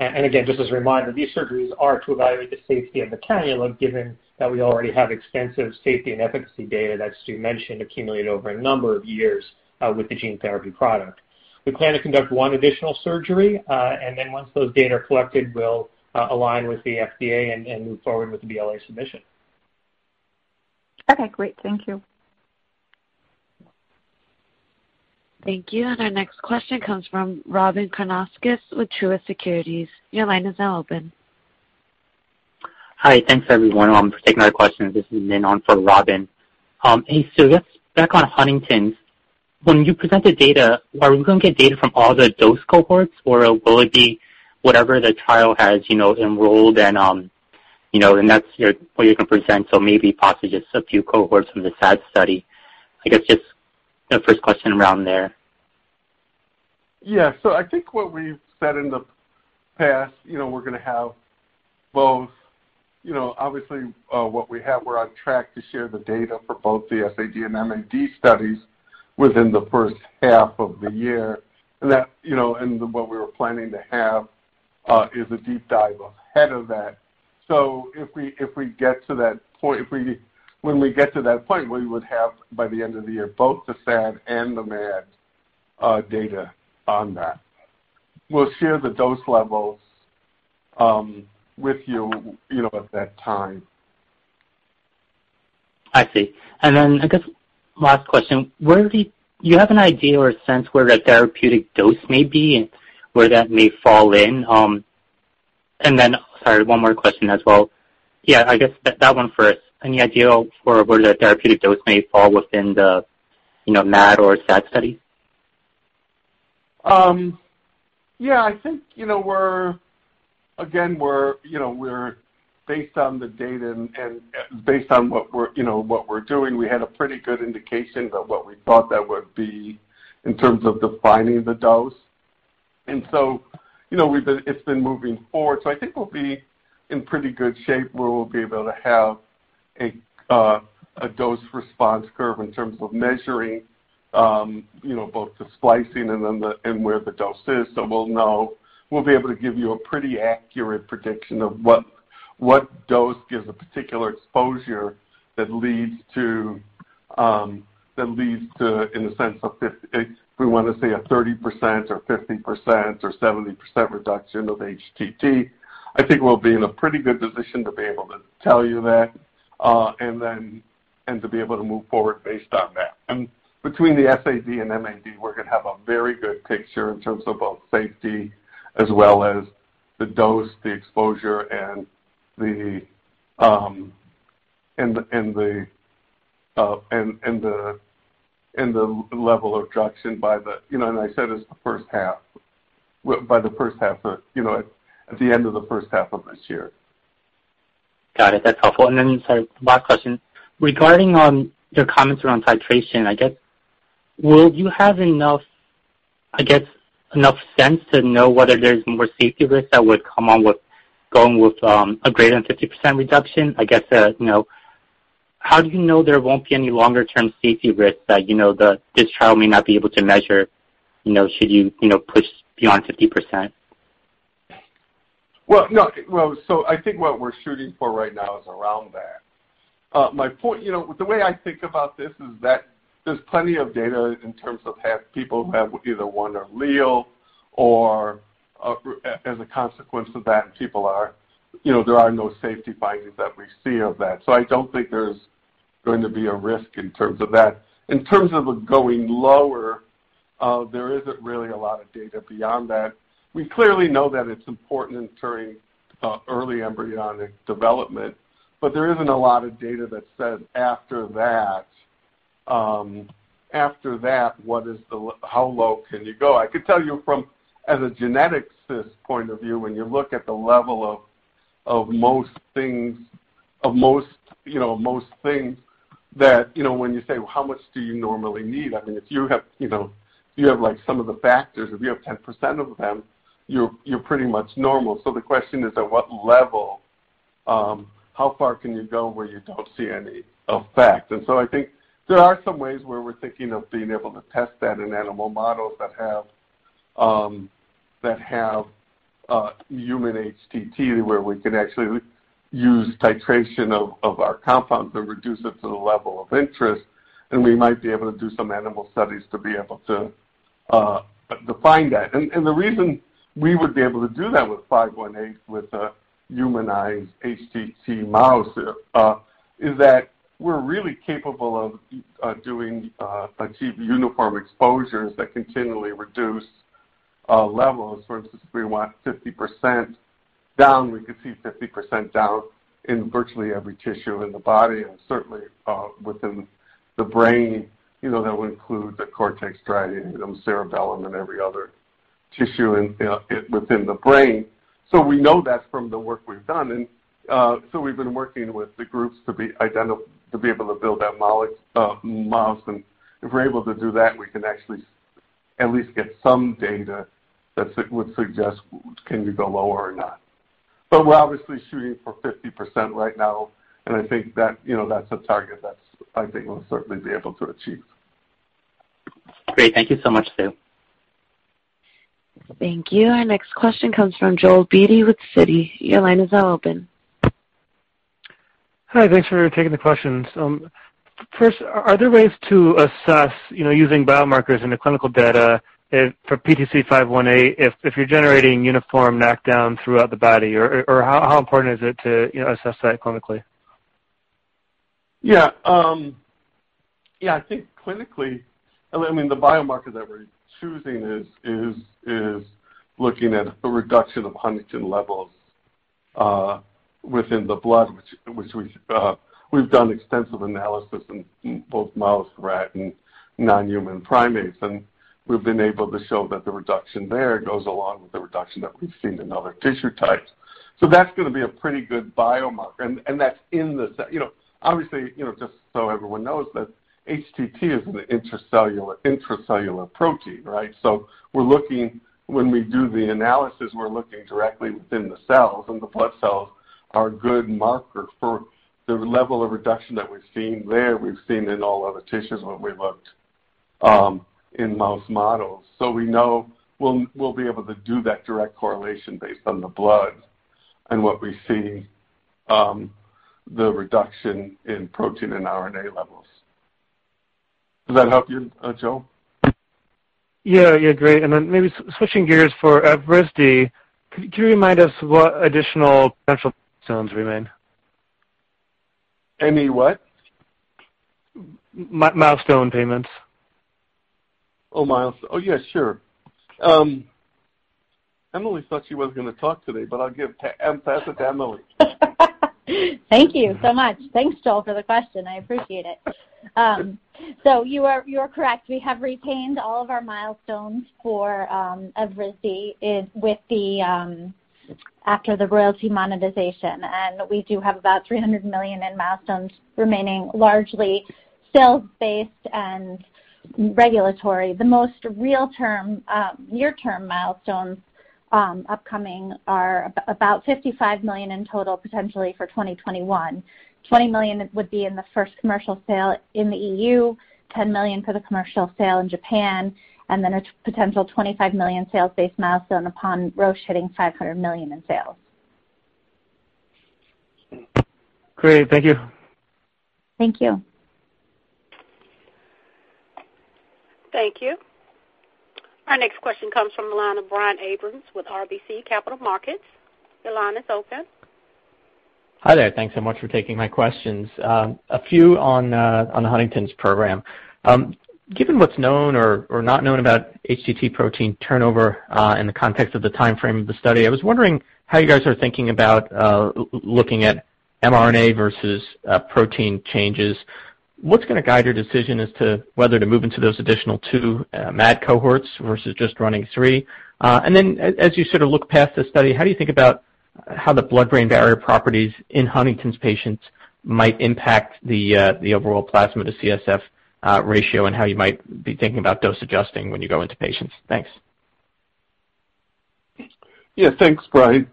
Again, just as a reminder, these surgeries are to evaluate the safety of the cannula, given that we already have extensive safety and efficacy data that Stu mentioned accumulated over a number of years with the gene therapy product. We plan to conduct one additional surgery. Once those data are collected, we'll align with the FDA and move forward with the BLA submission. Okay, great. Thank you. Thank you. Our next question comes from Robyn Karnauskas with Truist Securities. Your line is now open. Hi. Thanks, everyone. I'll take another question. This is Min on for Robyn. Hey, Stu, back on Huntington. When you present the data, are we going to get data from all the dose cohorts, or will it be whatever the trial has enrolled and that's what you can present, so maybe possibly just a few cohorts from the SAD study? I guess, just the first question around there. I think what we've said in the past, we're going to have both. Obviously, what we have, we're on track to share the data for both the SAD and MAD studies within the first half of the year. What we were planning to have is a deep dive ahead of that. If we get to that point, when we get to that point, we would have, by the end of the year, both the SAD and the MAD data on that. We'll share the dose levels with you at that time. I see. I guess last question. Do you have an idea or a sense where the therapeutic dose may be and where that may fall in? Sorry, one more question as well. Yeah, I guess that one first. Any idea for where the therapeutic dose may fall within the MAD or SAD study? Yeah, I think, again, based on the data and based on what we're doing, we had a pretty good indication of what we thought that would be in terms of defining the dose. It's been moving forward. I think we'll be in pretty good shape where we'll be able to have a dose response curve in terms of measuring both the splicing and where the dose is. We'll be able to give you a pretty accurate prediction of what dose gives a particular exposure that leads to, in the sense of if we want to say a 30% or 50% or 70% reduction of HTT. I think we'll be in a pretty good position to be able to tell you that and to be able to move forward based on that. Between the SAD and MAD, we're going to have a very good picture in terms of both safety as well as the dose, the exposure, and the level of reduction at the end of the first half of this year. Got it. That's helpful. Then, sorry, last question. Regarding your comments around titration, I guess, will you have enough sense to know whether there's more safety risks that would come on with going with a greater than 50% reduction? I guess, how do you know there won't be any longer-term safety risks that this trial may not be able to measure should you push beyond 50%? Well, I think what we're shooting for right now is around that. The way I think about this is that there's plenty of data in terms of people who have either one allele or as a consequence of that, there are no safety findings that we see of that. I don't think there's going to be a risk in terms of that. In terms of it going lower, there isn't really a lot of data beyond that. We clearly know that it's important during early embryonic development, there isn't a lot of data that says after that, how low can you go? I could tell you from, as a geneticist point of view, when you look at the level of most things that when you say how much do you normally need, if you have some of the factors, if you have 10% of them, you're pretty much normal. The question is at what level, how far can you go where you don't see any effect? I think there are some ways where we're thinking of being able to test that in animal models that have human HTT, where we can actually use titration of our compound to reduce it to the level of interest, and we might be able to do some animal studies to be able to define that. The reason we would be able to do that with 518 with a humanized HTT mouse is that we're really capable of achieving uniform exposures that continually reduce levels. For instance, if we want 50% down, we could see 50% down in virtually every tissue in the body and certainly within the brain. That would include the cortex, striatum, cerebellum, and every other tissue within the brain. We know that from the work we've done, we've been working with the groups to be able to build that mouse. If we're able to do that, we can actually at least get some data that would suggest can we go lower or not. We're obviously shooting for 50% right now, and I think that's a target that I think we'll certainly be able to achieve. Great. Thank you so much, Stuart. Thank you. Our next question comes from Joel Beatty with Citi. Your line is now open. Hi, thanks for taking the questions. First, are there ways to assess using biomarkers in the clinical data for PTC-518 if you're generating uniform knockdown throughout the body, or how important is it to assess that clinically? I think clinically, the biomarker that we're choosing is looking at a reduction of Huntingtin levels within the blood, which we've done extensive analysis in both mouse, rat, and non-human primates. We've been able to show that the reduction there goes along with the reduction that we've seen in other tissue types. That's going to be a pretty good biomarker. Obviously, just so everyone knows that HTT is an intracellular protein, right? When we do the analysis, we're looking directly within the cells, and the blood cells are a good marker for the level of reduction that we've seen there, we've seen in all other tissues when we looked in mouse models. We know we'll be able to do that direct correlation based on the blood and what we see, the reduction in protein and RNA levels. Does that help you, Joel? Yeah. Great. Maybe switching gears for Evrysdi, could you remind us what additional potential milestones remain? Any what? Milestone payments. Oh, milestone. Oh, yeah, sure. Emily thought she wasn't going to talk today, but I'll pass it to Emily. Thank you so much. Thanks, Joel, for the question. I appreciate it. You are correct. We have retained all of our milestones for Evrysdi after the royalty monetization, and we do have about $300 million in milestones remaining, largely sales-based and regulatory. The most real-term, near-term milestones upcoming are about $55 million in total, potentially for 2021. $20 million would be in the first commercial sale in the EU, $10 million for the commercial sale in Japan, and then a potential $25 million sales-based milestone upon Roche hitting $500 million in sales. Great. Thank you. Thank you. Thank you. Our next question comes from the line of Brian Abrahams with RBC Capital Markets. Your line is open. Hi there. Thanks so much for taking my questions. A few on the Huntington's program. Given what's known or not known about HTT protein turnover in the context of the timeframe of the study, I was wondering how you guys are thinking about looking at mRNA versus protein changes. What's going to guide your decision as to whether to move into those additional two MAD cohorts versus just running three? As you sort of look past this study, how do you think about how the blood-brain barrier properties in Huntington's patients might impact the overall plasma to CSF ratio, and how you might be thinking about dose adjusting when you go into patients? Thanks. Thanks, Brian.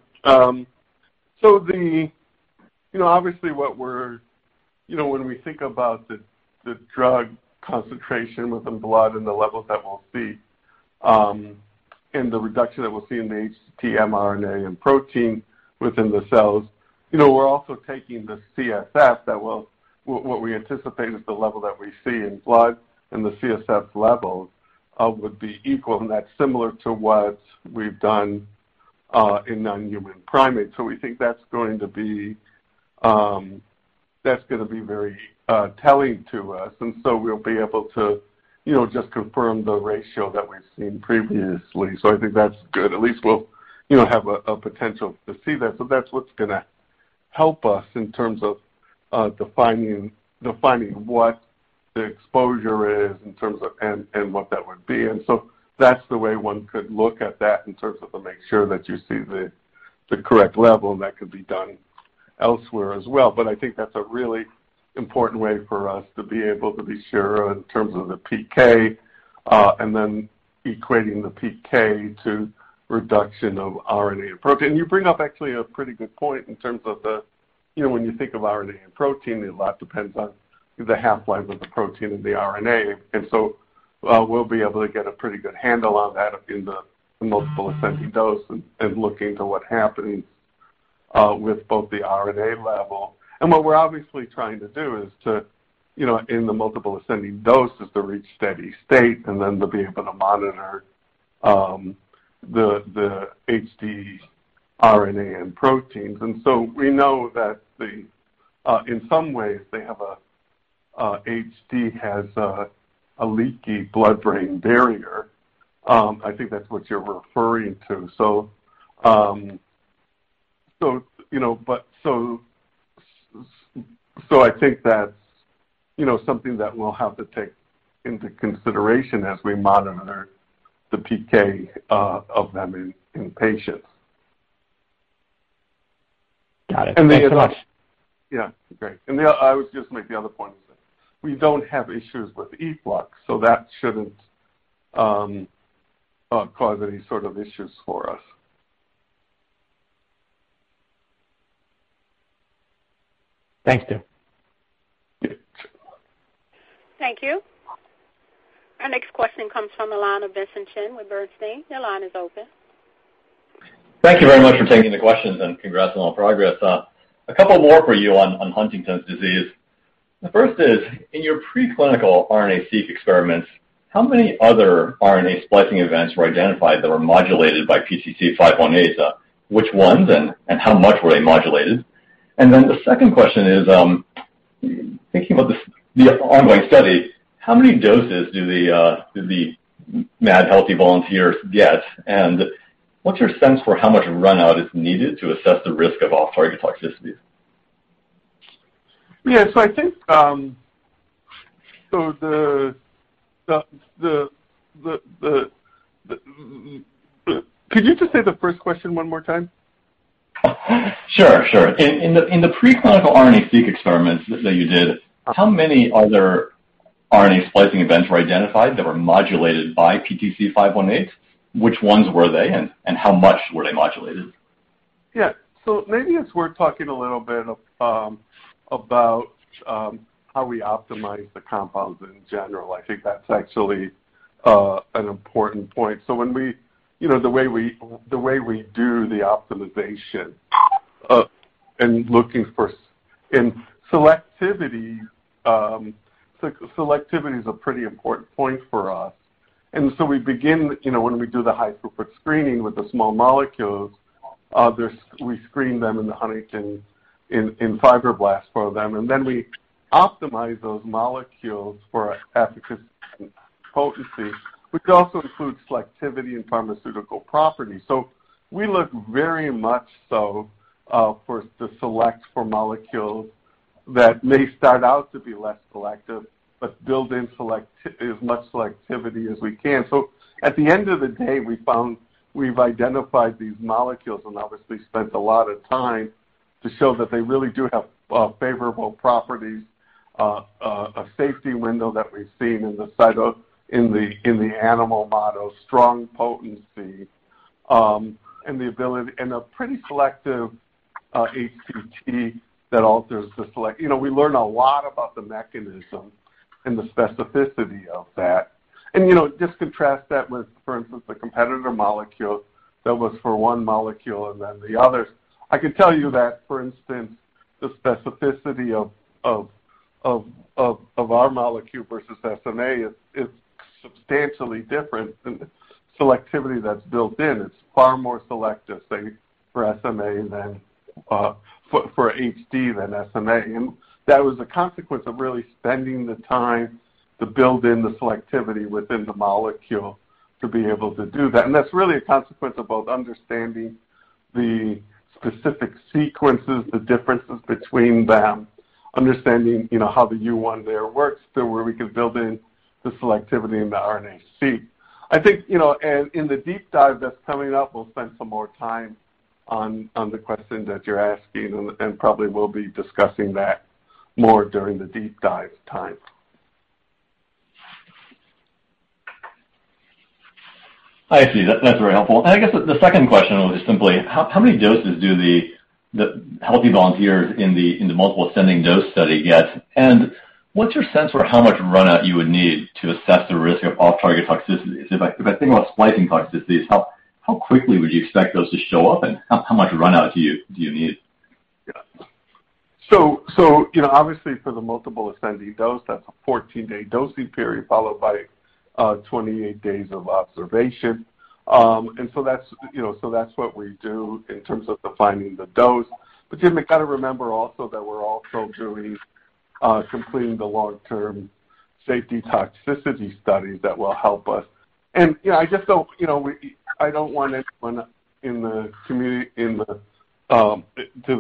When we think about the drug concentration within blood and the levels that we'll see and the reduction that we'll see in the HTT mRNA and protein within the cells, we're also taking the CSF that what we anticipate is the level that we see in blood and the CSF levels would be equal, and that's similar to what we've done in non-human primates. We think that's going to be very telling to us. We'll be able to just confirm the ratio that we've seen previously. I think that's good. At least we'll have a potential to see that. That's what's going to help us in terms of defining what the exposure is and what that would be. That's the way one could look at that in terms of to make sure that you see the correct level, and that could be done elsewhere as well. I think that's a really important way for us to be able to be sure in terms of the PK and then equating the PK to reduction of RNA and protein. You bring up actually a pretty good point in terms of when you think of RNA and protein, a lot depends on the half-life of the protein and the RNA. We'll be able to get a pretty good handle on that in the multiple ascending dose and looking to what happens with both the RNA level. What we're obviously trying to do is to, in the multiple ascending doses, to reach steady state and then to be able to monitor the HD RNA and proteins. We know that in some ways, HD has a leaky blood-brain barrier. I think that's what you're referring to. I think that's something that we'll have to take into consideration as we monitor the PK of them in patients. Got it. Thanks so much. Yeah. Great. I would just make the other point is that we don't have issues with efflux, so that shouldn't cause any sort of issues for us. Thanks, Stuart. Yeah. Thank you. Our next question comes from the line of Vincent Chen with Bernstein. Your line is open. Thank you very much for taking the questions, and congrats on all progress. A couple more for you on Huntington's disease. The first is, in your preclinical RNA-Seq experiments, how many other RNA splicing events were identified that were modulated by PTC-518? Which ones and how much were they modulated? The second question is, thinking about the ongoing study, how many doses do the MAD healthy volunteers get, and what's your sense for how much run-out is needed to assess the risk of off-target toxicities? Yeah. Could you just say the first question one more time? Sure. In the preclinical RNA-Seq experiments that you did, how many other RNA splicing events were identified that were modulated by PTC-518? Which ones were they, how much were they modulated? Yeah. Maybe it's worth talking a little bit about how we optimize the compounds in general. I think that's actually an important point. The way we do the optimization and looking first in selectivity. Selectivity is a pretty important point for us. We begin, when we do the high-throughput screening with the small molecules, we screen them in the Huntington, in fibroblasts for them. We optimize those molecules for efficacy and potency, which also includes selectivity and pharmaceutical properties. We look very much so to select for molecules that may start out to be less selective but build in as much selectivity as we can. At the end of the day, we've identified these molecules and obviously spent a lot of time to show that they really do have favorable properties, a safety window that we've seen in the animal models, strong potency, and a pretty selective HTT that alters the select. We learn a lot about the mechanism and the specificity of that. Just contrast that with, for instance, the competitor molecule that was for one molecule and then the others. I can tell you that, for instance, the specificity of our molecule versus SMA is substantially different than the selectivity that's built in. It's far more selective for Huntington's disease than SMA. That was a consequence of really spending the time to build in the selectivity within the molecule to be able to do that. That's really a consequence of both understanding the specific sequences, the differences between them, understanding how the U1 there works, so where we can build in the selectivity in the RNA sequence. I think, in the deep dive that's coming up, we'll spend some more time on the question that you're asking, and probably we'll be discussing that more during the deep dive time. I see. That's very helpful. I guess the second question was just simply, how many doses do the healthy volunteers in the multiple ascending dose study get? What's your sense for how much run-out you would need to assess the risk of off-target toxicities? If I think about splicing toxicities, how quickly would you expect those to show up, and how much run-out do you need? Obviously for the multiple ascending dose, that's a 14-day dosing period followed by 28 days of observation. That's what we do in terms of defining the dose. Jim, you got to remember also that we're also completing the long-term safety toxicity studies that will help us. I don't want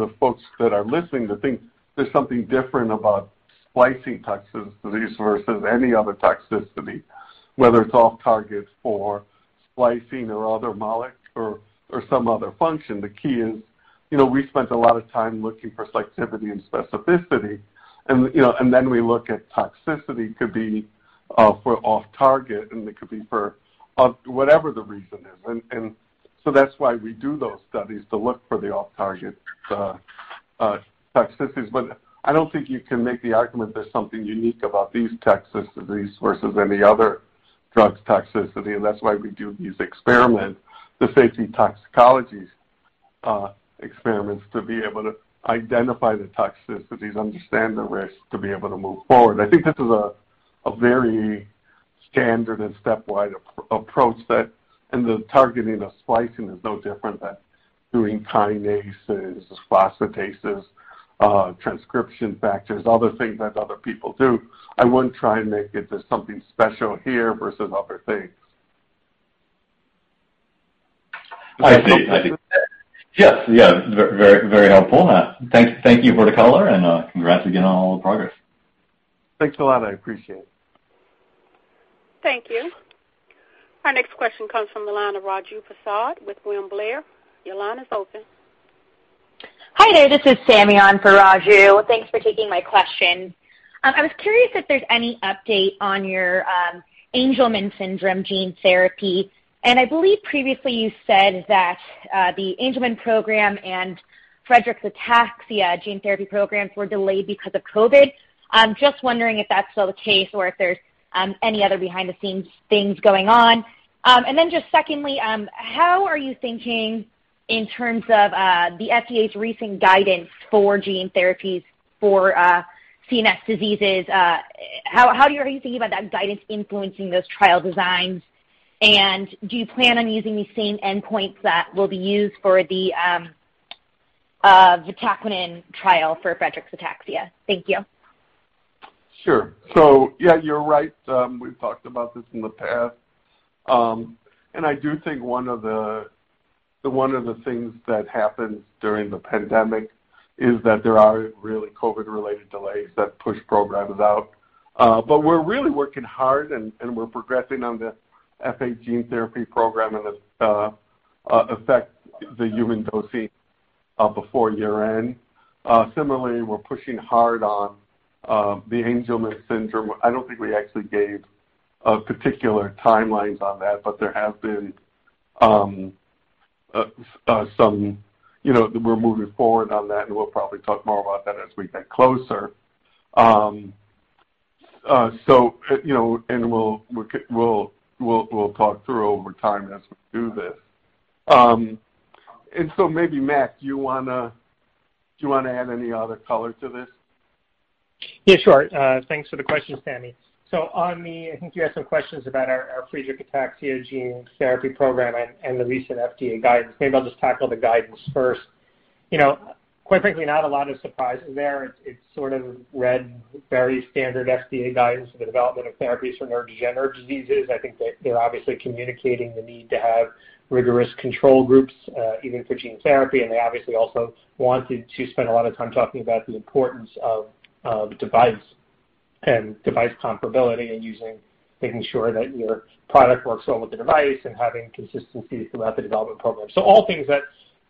the folks that are listening to think there's something different about splicing toxicities versus any other toxicity, whether it's off-targets for splicing or some other function. The key is, we spent a lot of time looking for selectivity and specificity, we look at toxicity. It could be for off-target, it could be for whatever the reason is. That's why we do those studies to look for the off-target toxicities. I don't think you can make the argument there's something unique about these toxicities versus any other drug toxicity. That's why we do these experiments, the safety toxicology experiments, to be able to identify the toxicities, understand the risks, to be able to move forward. I think this is a very standard and stepwise approach and the targeting of splicing is no different than doing kinases, phosphatases, transcription factors, other things that other people do. I wouldn't try and make it to something special here versus other things. I see. Does that help answer? Yes. Very helpful. Thank you for the color, and congrats again on all the progress. Thanks a lot. I appreciate it. Thank you. Our next question comes from the line of Raju Prasad with William Blair. Your line is open. Hi there. This is Sammy on for Raju. Thanks for taking my question. I was curious if there's any update on your Angelman syndrome gene therapy. I believe previously you said that the Angelman program and Friedreich ataxia gene therapy programs were delayed because of COVID. I'm just wondering if that's still the case or if there's any other behind-the-scenes things going on. Just secondly, how are you thinking. In terms of the FDA's recent guidance for gene therapies for CNS diseases, how are you thinking about that guidance influencing those trial designs? Do you plan on using the same endpoints that will be used for the vatiquinone trial for Friedreich ataxia? Thank you. Sure. Yeah, you're right. We've talked about this in the past. I do think one of the things that happened during the pandemic is that there are really COVID-related delays that push programs out. We're really working hard, and we're progressing on the FA gene therapy program, and this affects the human dosing before year-end. Similarly, we're pushing hard on the Angelman syndrome. I don't think we actually gave particular timelines on that, but we're moving forward on that, and we'll probably talk more about that as we get closer. We'll talk through over time as we do this. Maybe, Matt, do you want to add any other color to this? Yeah, sure. Thanks for the question, Sammy. On the, I think you had some questions about our Friedreich ataxia gene therapy program and the recent FDA guidance. Maybe I'll just tackle the guidance first. Quite frankly, not a lot of surprises there. It's sort of read very standard FDA guidance for the development of therapies for neurodegenerative diseases. I think that they're obviously communicating the need to have rigorous control groups, even for gene therapy, and they obviously also wanted to spend a lot of time talking about the importance of device and device comparability and making sure that your product works well with the device and having consistency throughout the development program. All things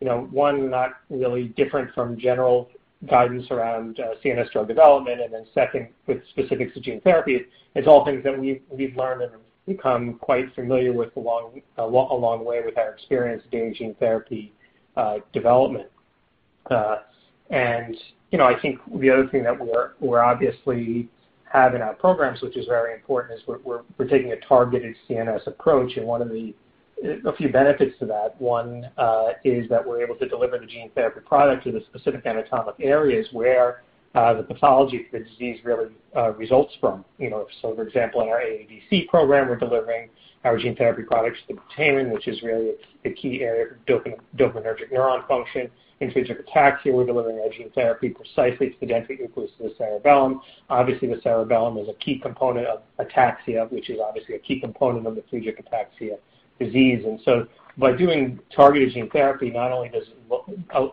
that's, one, not really different from general guidance around CNS drug development, and then second, with specifics to gene therapy, it's all things that we've learned and become quite familiar with along the way with our experience doing gene therapy development. I think the other thing that we obviously have in our programs, which is very important, is we're taking a targeted CNS approach, and a few benefits to that. One, is that we're able to deliver the gene therapy product to the specific anatomic areas where the pathology for the disease really results from. For example, in our AADC program, we're delivering our gene therapy products to the putamen, which is really the key area for dopaminergic neuron function. In Friedreich ataxia, we're delivering our gene therapy precisely to the dentate nucleus of the cerebellum. Obviously, the cerebellum is a key component of ataxia, which is obviously a key component of the Friedreich ataxia disease. By doing targeted gene therapy, not only does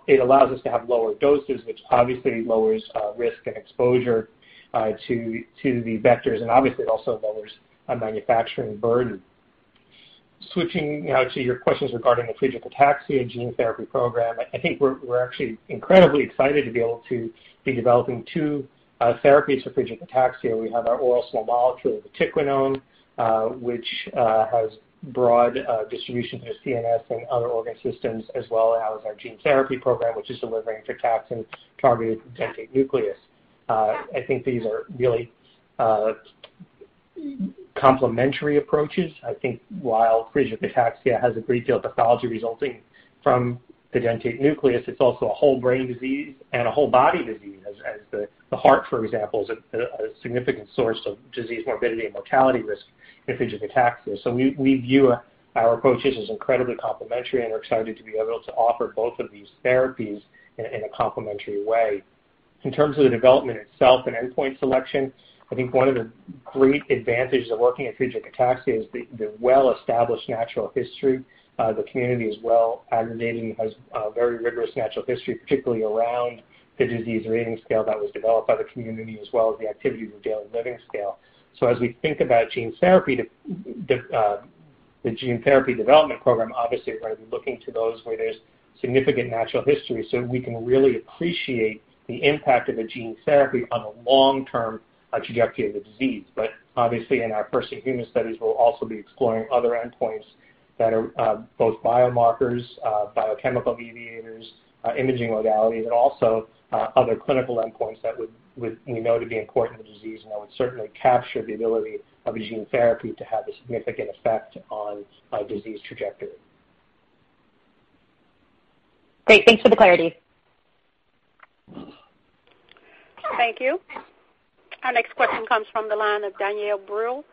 it allow us to have lower doses, which obviously lowers risk and exposure to the vectors, obviously it also lowers our manufacturing burden. Switching now to your questions regarding the Friedreich ataxia gene therapy program, I think we're actually incredibly excited to be able to be developing two therapies for Friedreich ataxia. We have our oral small molecule, the vatiquinone which has broad distribution through CNS and other organ systems, as well as our gene therapy program, which is delivering to ataxia targeted dentate nucleus. I think these are really complimentary approaches. I think while Friedreich ataxia has a great deal of pathology resulting from the dentate nucleus, it's also a whole brain disease and a whole body disease, as the heart, for example, is a significant source of disease morbidity and mortality risk in Friedreich ataxia. We view our approaches as incredibly complimentary, and we're excited to be able to offer both of these therapies in a complimentary way. In terms of the development itself and endpoint selection, I think one of the great advantages of looking at Friedreich ataxia is the well-established natural history. The community is well aggregated, has a very rigorous natural history, particularly around the disease rating scale that was developed by the community, as well as the activity of the daily living scale. As we think about gene therapy, the gene therapy development program, obviously, we're going to be looking to those where there's significant natural history, so we can really appreciate the impact of a gene therapy on the long-term trajectory of the disease. Obviously in our first-in-human studies, we'll also be exploring other endpoints that are both biomarkers, biochemical mediators, imaging modalities, and also other clinical endpoints that we know to be important to the disease and that would certainly capture the ability of a gene therapy to have a significant effect on disease trajectory. Great. Thanks for the clarity. Thank you. Our next question comes from the line of Danielle Brill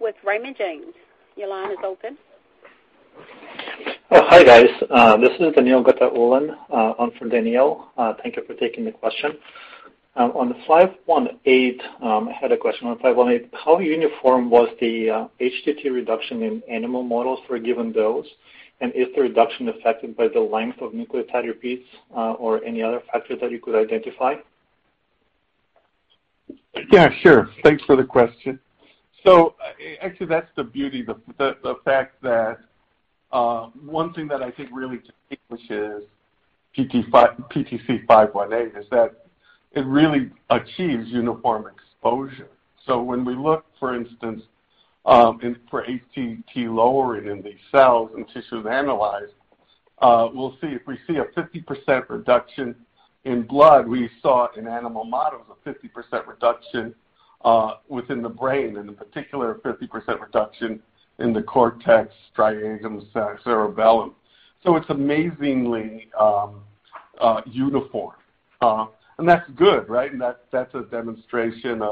with Raymond James. Your line is open. Oh, hi, guys. This is Danielle Gatullon, on for Danielle. Thank you for taking the question. I had a question on slide 1-8. How uniform was the HTT reduction in animal models for a given dose? Is the reduction affected by the length of nucleotide repeats, or any other factor that you could identify? Sure. Thanks for the question. Actually, that's the beauty, the fact that one thing that I think really distinguishes PTC-518 is that it really achieves uniform exposure. When we look, for instance, for HTT lowering in these cells and tissues analyzed, if we see a 50% reduction in blood, we saw in animal models a 50% reduction within the brain, and in particular, a 50% reduction in the cortex, striatum, cerebellum. That's amazingly uniform. That's good, right? That's a demonstration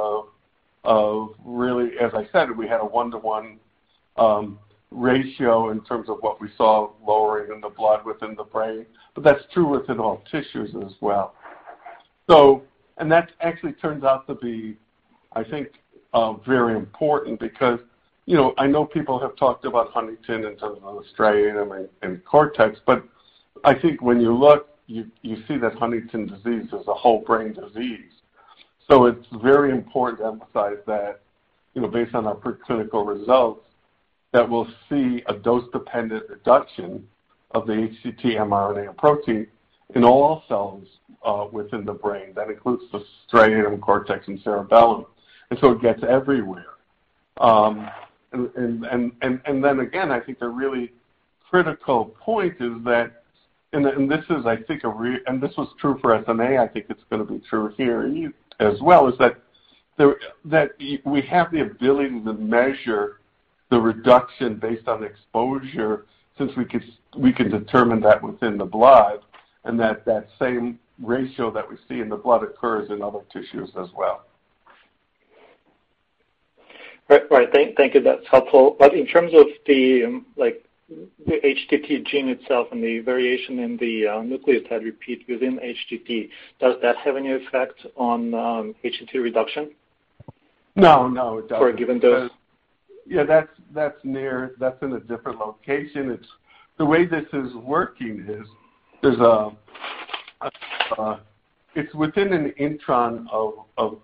of really, as I said, we had a one-to-one ratio in terms of what we saw lowering in the blood within the brain. That's true within all tissues as well. That actually turns out to be, I think, very important because, I know people have talked about Huntington in terms of striatum and cortex, but I think when you look, you see that Huntington's disease is a whole-brain disease. It's very important to emphasize that based on our preclinical results, that we'll see a dose-dependent reduction of the HTT mRNA and protein in all cells within the brain. That includes the striatum, cortex, and cerebellum. It gets everywhere. Again, I think the really critical point is that, and this was true for SMA, I think it's going to be true here as well, is that we have the ability to measure the reduction based on exposure since we can determine that within the blood, and that that same ratio that we see in the blood occurs in other tissues as well. Right. Thank you. That's helpful. In terms of the HTT gene itself and the variation in the nucleotide repeat within HTT, does that have any effect on HTT reduction- No. No, it doesn't For a given dose? Yeah, that's in a different location. The way this is working is it's within an intron of the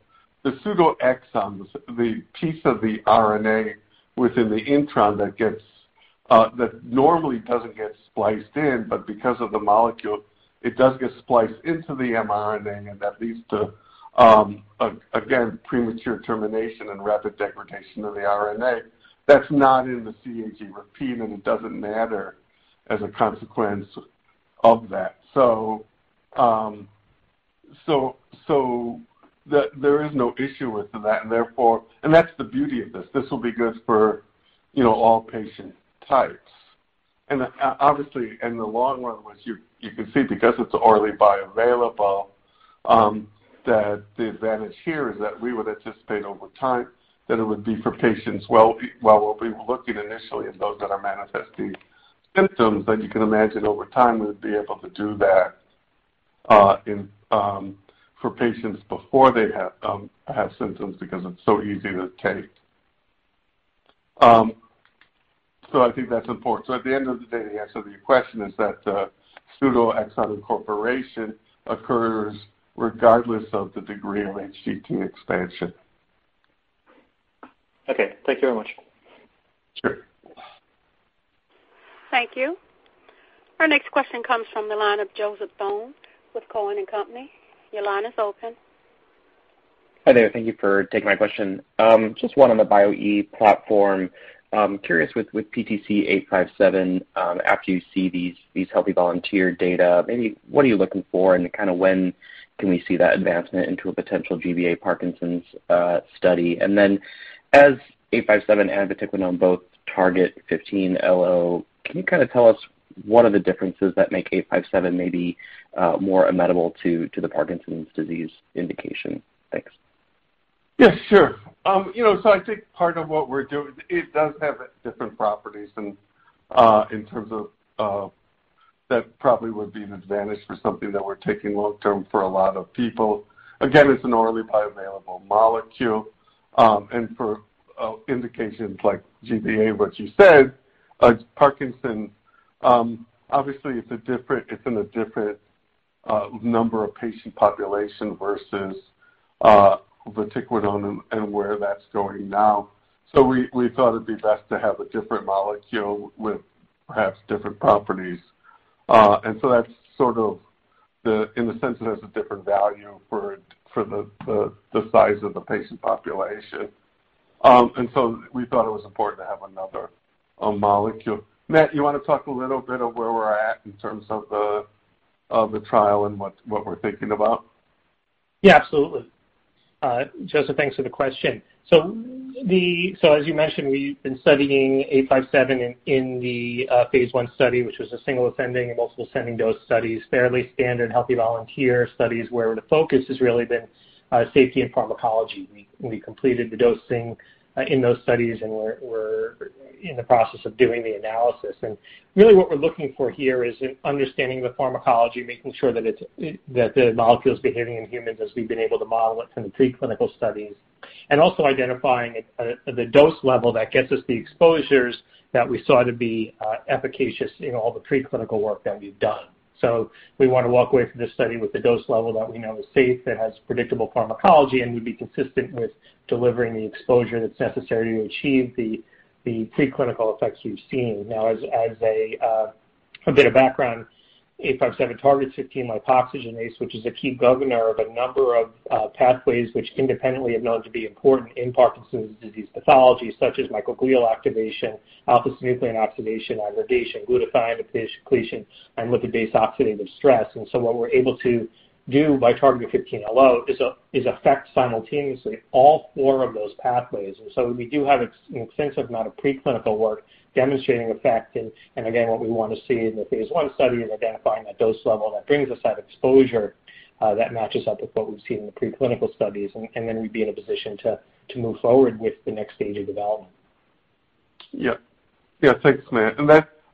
pseudoexons, the piece of the RNA within the intron that normally doesn't get spliced in but because of the molecule, it does get spliced into the mRNA, and that leads to, again, premature termination and rapid degradation of the RNA. That's not in the CAG repeat, and it doesn't matter as a consequence of that. There is no issue with that, and that's the beauty of this. This will be good for all patient types. Obviously, in the long run, what you can see, because it's orally bioavailable, that the advantage here is that we would anticipate over time that it would be for patients. We'll be looking initially at those that are manifesting symptoms, but you can imagine over time, we would be able to do that for patients before they have symptoms because it's so easy to take. I think that's important. At the end of the day, the answer to your question is that pseudoexon incorporation occurs regardless of the degree of HTT expansion. Okay. Thank you very much. Sure. Thank you. Our next question comes from the line of Joseph Thome with Cowen and Company. Your line is open. Hi there. Thank you for taking my question. Just one on the Bio-e platform. Curious with PTC-857, after you see these healthy volunteer data, maybe what are you looking for, and when can we see that advancement into a potential GBA Parkinson's study? As 857 and vertiquinone both target 15LO, can you tell us what are the differences that make 857 maybe more amenable to the Parkinson's disease indication? Thanks. Yeah, sure. I think part of what we're doing, it does have different properties in terms of that probably would be an advantage for something that we're taking long-term for a lot of people. Again, it's an orally bioavailable molecule. For indications like GBA, what you said, Parkinson's, obviously it's in a different number of patient population versus vatiquinone and where that's going now. We thought it'd be best to have a different molecule with perhaps different properties. That's sort of in the sense it has a different value for the size of the patient population. We thought it was important to have another molecule. Matt, you want to talk a little bit of where we're at in terms of the trial and what we're thinking about? Joseph, thanks for the question. As you mentioned, we've been studying 857 in the phase I study, which was a single ascending and multiple ascending dose studies, fairly standard healthy volunteer studies, where the focus has really been safety and pharmacology. We completed the dosing in those studies, and we're in the process of doing the analysis. Really what we're looking for here is understanding the pharmacology, making sure that the molecule's behaving in humans as we've been able to model it in the preclinical studies. Also identifying the dose level that gets us the exposures that we saw to be efficacious in all the preclinical work that we've done. We want to walk away from this study with the dose level that we know is safe, that has predictable pharmacology, and would be consistent with delivering the exposure that's necessary to achieve the preclinical effects we've seen. As a bit of background. AP-857 targets 15-lipoxygenase, which is a key governor of a number of pathways which independently are known to be important in Parkinson's disease pathology, such as microglial activation, alpha-synuclein oxidation, aggregation, glutathione depletion, and lipid-based oxidative stress. What we're able to do by targeting 15LO is affect simultaneously all four of those pathways. We do have an extensive amount of preclinical work demonstrating effect. Again, what we want to see in the phase I study is identifying that dose level that brings us that exposure that matches up with what we've seen in the preclinical studies, and then we'd be in a position to move forward with the next stage of development. Yeah. Thanks, Matt.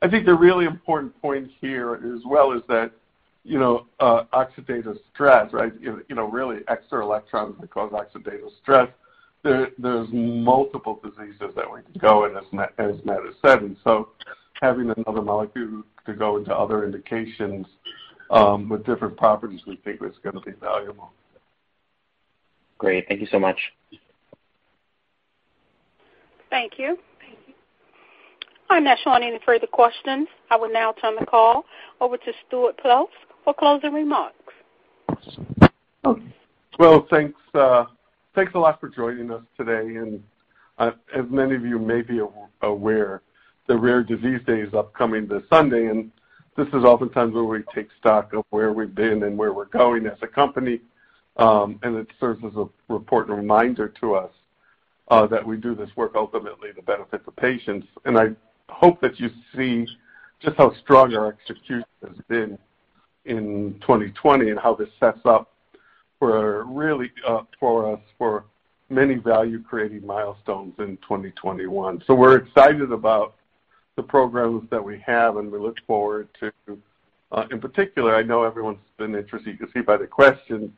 I think the really important point here as well is that oxidative stress, really extra electrons that cause oxidative stress, there's multiple diseases that we can go in, as Matt has said. Having another molecule to go into other indications with different properties, we think is going to be valuable. Great. Thank you so much. Thank you. I am not showing any further questions. I will now turn the call over to Stuart Peltz for closing remarks. Awesome. Well, thanks a lot for joining us today. As many of you may be aware, the Rare Disease Day is upcoming this Sunday, and this is oftentimes where we take stock of where we've been and where we're going as a company. It serves as an important reminder to us that we do this work ultimately to benefit the patients. I hope that you see just how strong our execution has been in 2020 and how this sets up for us for many value-creating milestones in 2021. We're excited about the programs that we have, and we look forward to, in particular, I know everyone's been interested, you can see by the questions,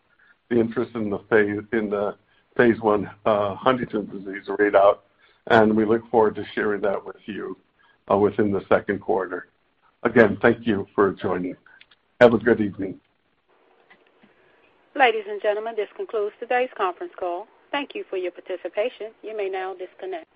the interest in the phase I Huntington's disease readout, and we look forward to sharing that with you within the second quarter. Again, thank you for joining. Have a good evening. Ladies and gentlemen, this concludes today's conference call. Thank you for your participation. You may now disconnect.